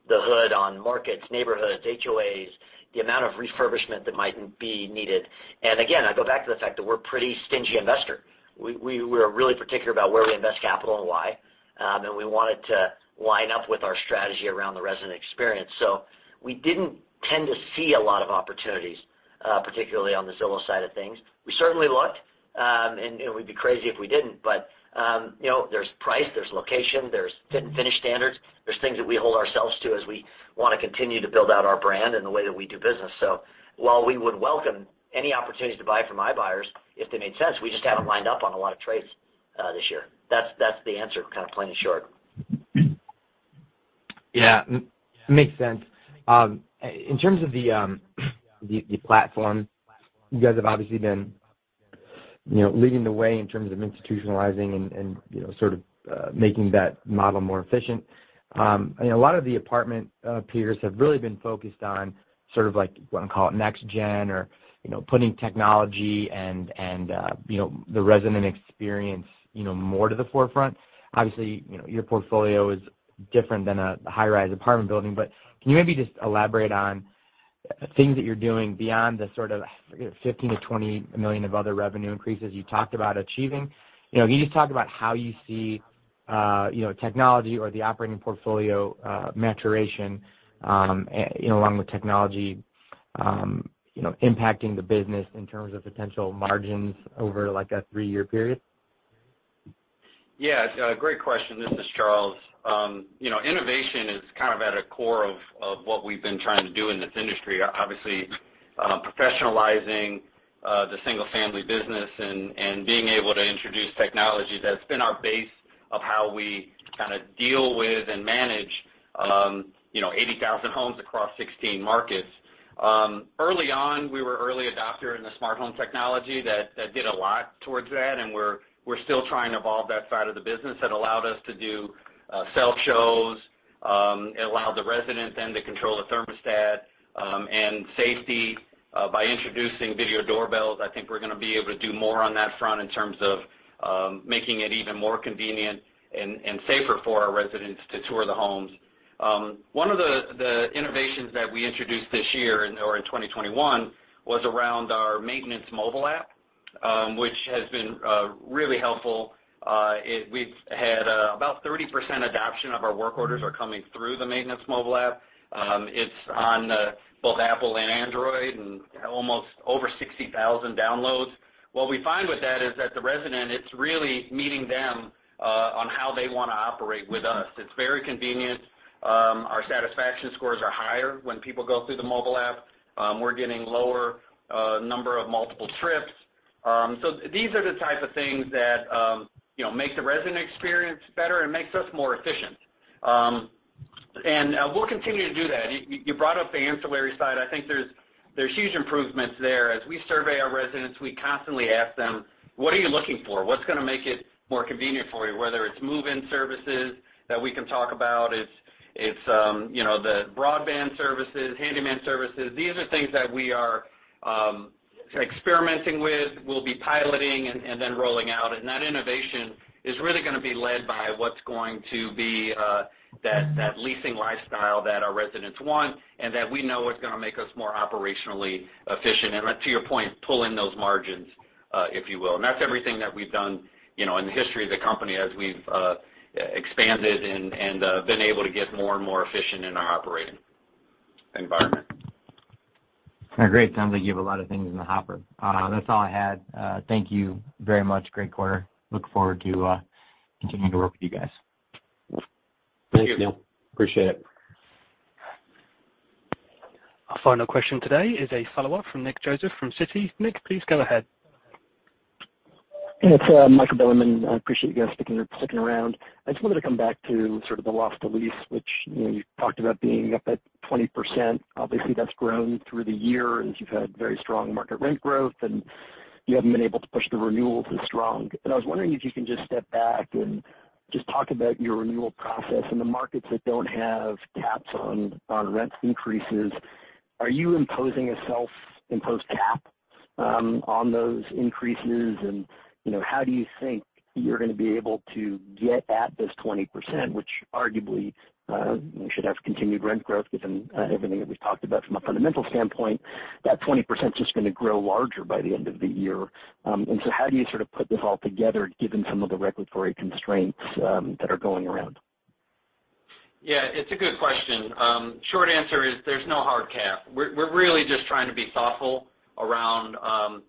the hood on markets, neighborhoods, HOAs, the amount of refurbishment that might be needed. Again, I go back to the fact that we're a pretty stingy investor. We're really particular about where we invest capital and why, and we want it to line up with our strategy around the resident experience. We didn't tend to see a lot of opportunities, particularly on the Zillow side of things. We certainly looked, and, you know, we'd be crazy if we didn't. You know, there's price, there's location, there's fit and finish standards. There's things that we hold ourselves to as we wanna continue to build out our brand and the way that we do business. While we would welcome any opportunities to buy from iBuyers, if they made sense, we just haven't lined up on a lot of trades, this year. That's the answer, kind of plain and short. Yeah. Makes sense. In terms of the platform, you guys have obviously been you know leading the way in terms of institutionalizing and you know sort of making that model more efficient. A lot of the apartment peers have really been focused on sort of like wanna call it next gen or you know putting technology and you know the resident experience you know more to the forefront. Obviously you know your portfolio is different than a high-rise apartment building. Can you maybe just elaborate on things that you're doing beyond the sort of $15 million-$20 million of other revenue increases you talked about achieving? You know, can you just talk about how you see, you know, technology or the operating portfolio, maturation, along with technology, you know, impacting the business in terms of potential margins over, like, a three-year period? Yeah. Great question. This is Charles. You know, innovation is kind of at a core of what we've been trying to do in this industry. Obviously, professionalizing the single-family business and being able to introduce technology, that's been our base of how we kinda deal with and manage, you know, 80,000 homes across 16 markets. Early on, we were early adopter in the smart home technology that did a lot towards that, and we're still trying to evolve that side of the business. That allowed us to do self shows. It allowed the resident then to control the thermostat and safety. By introducing video doorbells, I think we're gonna be able to do more on that front in terms of making it even more convenient and safer for our residents to tour the homes. One of the innovations that we introduced this year or in 2021 was around our maintenance mobile app, which has been really helpful. We've had about 30% adoption of our work orders are coming through the maintenance mobile app. It's on both Apple and Android, and almost over 60,000 downloads. What we find with that is that the resident, it's really meeting them on how they wanna operate with us. It's very convenient. Our satisfaction scores are higher when people go through the mobile app. We're getting lower number of multiple trips. These are the type of things that you know make the resident experience better and makes us more efficient. We'll continue to do that. You brought up the ancillary side. I think there's huge improvements there. As we survey our residents, we constantly ask them, "What are you looking for? What's gonna make it more convenient for you?" Whether it's move-in services that we can talk about, it's you know, the broadband services, handyman services. These are things that we are experimenting with, we'll be piloting and then rolling out. That innovation is really gonna be led by what's going to be that leasing lifestyle that our residents want and that we know is gonna make us more operationally efficient. To your point, pull in those margins, if you will. That's everything that we've done, you know, in the history of the company as we've expanded and been able to get more and more efficient in our operating environment. Great. Sounds like you have a lot of things in the hopper. That's all I had. Thank you very much. Great quarter. Look forward to continuing to work with you guys. Thanks, Neil. Appreciate it. Our final question today is a follow-up from Nick Joseph from Citi. Nick, please go ahead. It's Michael Bilerman. I appreciate you guys sticking around. I just wanted to come back to sort of the loss to lease, which, you know, you talked about being up at 20%. Obviously, that's grown through the year, and you've had very strong market rent growth, and you haven't been able to push the renewals as strong. I was wondering if you can just step back and just talk about your renewal process in the markets that don't have caps on rent increases. Are you imposing a self-imposed cap on those increases? You know, how do you think you're gonna be able to get at this 20%, which arguably you should have continued rent growth given everything that we've talked about from a fundamental standpoint. That 20%'s just gonna grow larger by the end of the year. How do you sort of put this all together given some of the regulatory constraints that are going around? Yeah, it's a good question. Short answer is there's no hard cap. We're really just trying to be thoughtful around,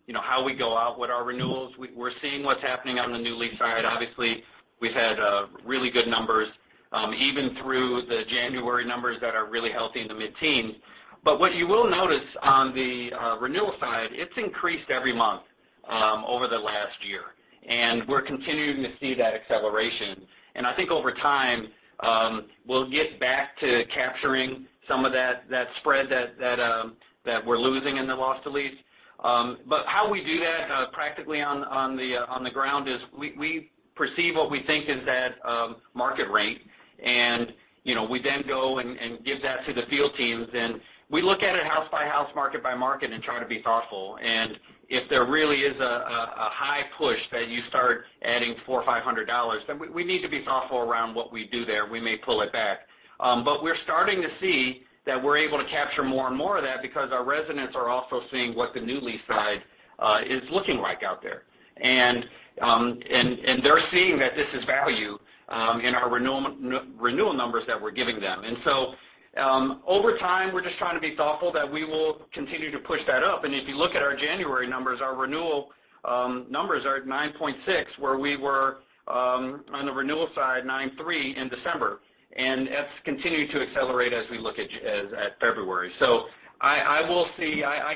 you know, how we go out with our renewals. We're seeing what's happening on the new lease side. Obviously, we've had really good numbers, even through the January numbers that are really healthy in the mid-teens. But what you will notice on the renewal side, it's increased every month over the last year, and we're continuing to see that acceleration. I think over time, we'll get back to capturing some of that spread that we're losing in the loss to lease. How we do that practically on the ground is we perceive what we think is that market rate. You know, we then go and give that to the field teams, and we look at it house by house, market by market and try to be thoughtful. If there really is a high push that you start adding $400-$500, then we need to be thoughtful around what we do there. We may pull it back. But we're starting to see that we're able to capture more and more of that because our residents are also seeing what the new lease side is looking like out there. They're seeing that this is value in our renewal numbers that we're giving them. Over time, we're just trying to be thoughtful that we will continue to push that up. If you look at our January numbers, our renewal numbers are at 9.6%, where we were on the renewal side, 9.3% in December. That's continued to accelerate as we look at February. I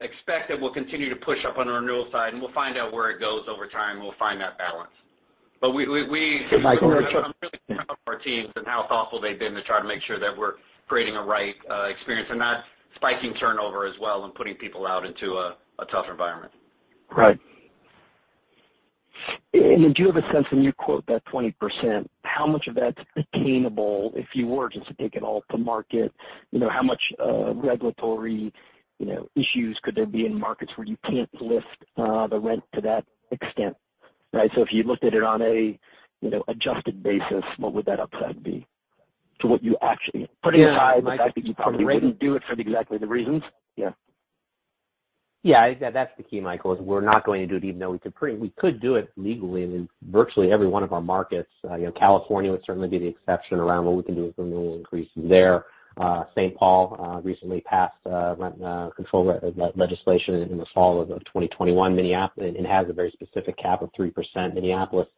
expect that we'll continue to push up on the renewal side, and we'll find out where it goes over time. We'll find that balance. Michael, one quick- I'm really proud of our teams and how thoughtful they've been to try to make sure that we're creating a right experience and not spiking turnover as well and putting people out into a tough environment. Right. And then do you have a sense when you quote that 20%, how much of that's attainable if you were just to take it all to market? You know, how much regulatory, you know, issues could there be in markets where you can't lift the rent to that extent? Right. So if you looked at it on a, you know, adjusted basis, what would that upside be to what you actually- Putting it aside, Michael. I think you probably wouldn't do it for exactly the reasons. Yeah. Yeah. That's the key, Michael, is we're not going to do it even though we could do it legally in virtually every one of our markets. You know, California would certainly be the exception around what we can do with renewal increases there. Saint Paul recently passed rent control legislation in the fall of 2021. Minneapolis has a very specific cap of 3%. Minneapolis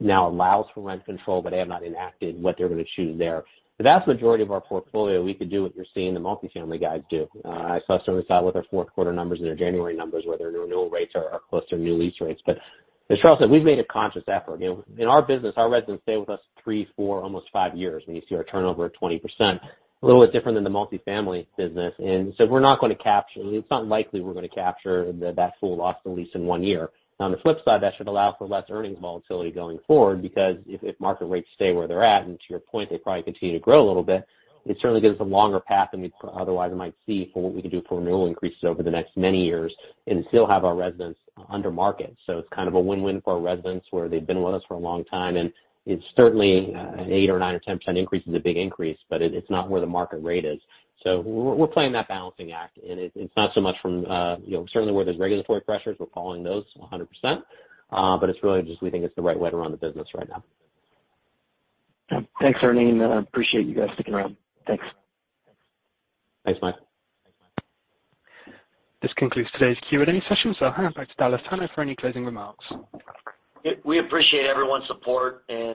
now allows for rent control, but they have not enacted what they're gonna choose there. The vast majority of our portfolio, we could do what you're seeing the multifamily guys do. I saw some of the slides with their fourth quarter numbers and their January numbers, where their renewal rates are close to new lease rates. As Charles said, we've made a conscious effort. You know, in our business, our residents stay with us three, four, almost five years, when you see our turnover at 20%. A little bit different than the multifamily business. It's not likely we're gonna capture that full loss to lease in one year. Now on the flip side, that should allow for less earnings volatility going forward because if market rates stay where they're at, and to your point, they probably continue to grow a little bit, it certainly gives us a longer path than we otherwise might see for what we can do for renewal increases over the next many years and still have our residents under market. It's kind of a win-win for our residents, where they've been with us for a long time, and it's certainly an 8% or 9% or 10% increase is a big increase, but it's not where the market rate is. We're playing that balancing act, and it's not so much from you know, certainly where there's regulatory pressures, we're following those 100%, but it's really just we think it's the right way to run the business right now. Yeah. Thanks, Ernie, and I appreciate you guys sticking around. Thanks. Thanks, Mike. This concludes today's Q&A session. I'll hand it back to Dallas Tanner for any closing remarks. We appreciate everyone's support in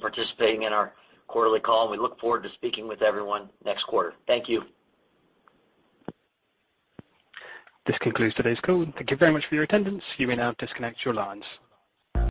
participating in our quarterly call. We look forward to speaking with everyone next quarter. Thank you. This concludes today's call. Thank you very much for your attendance. You may now disconnect your lines.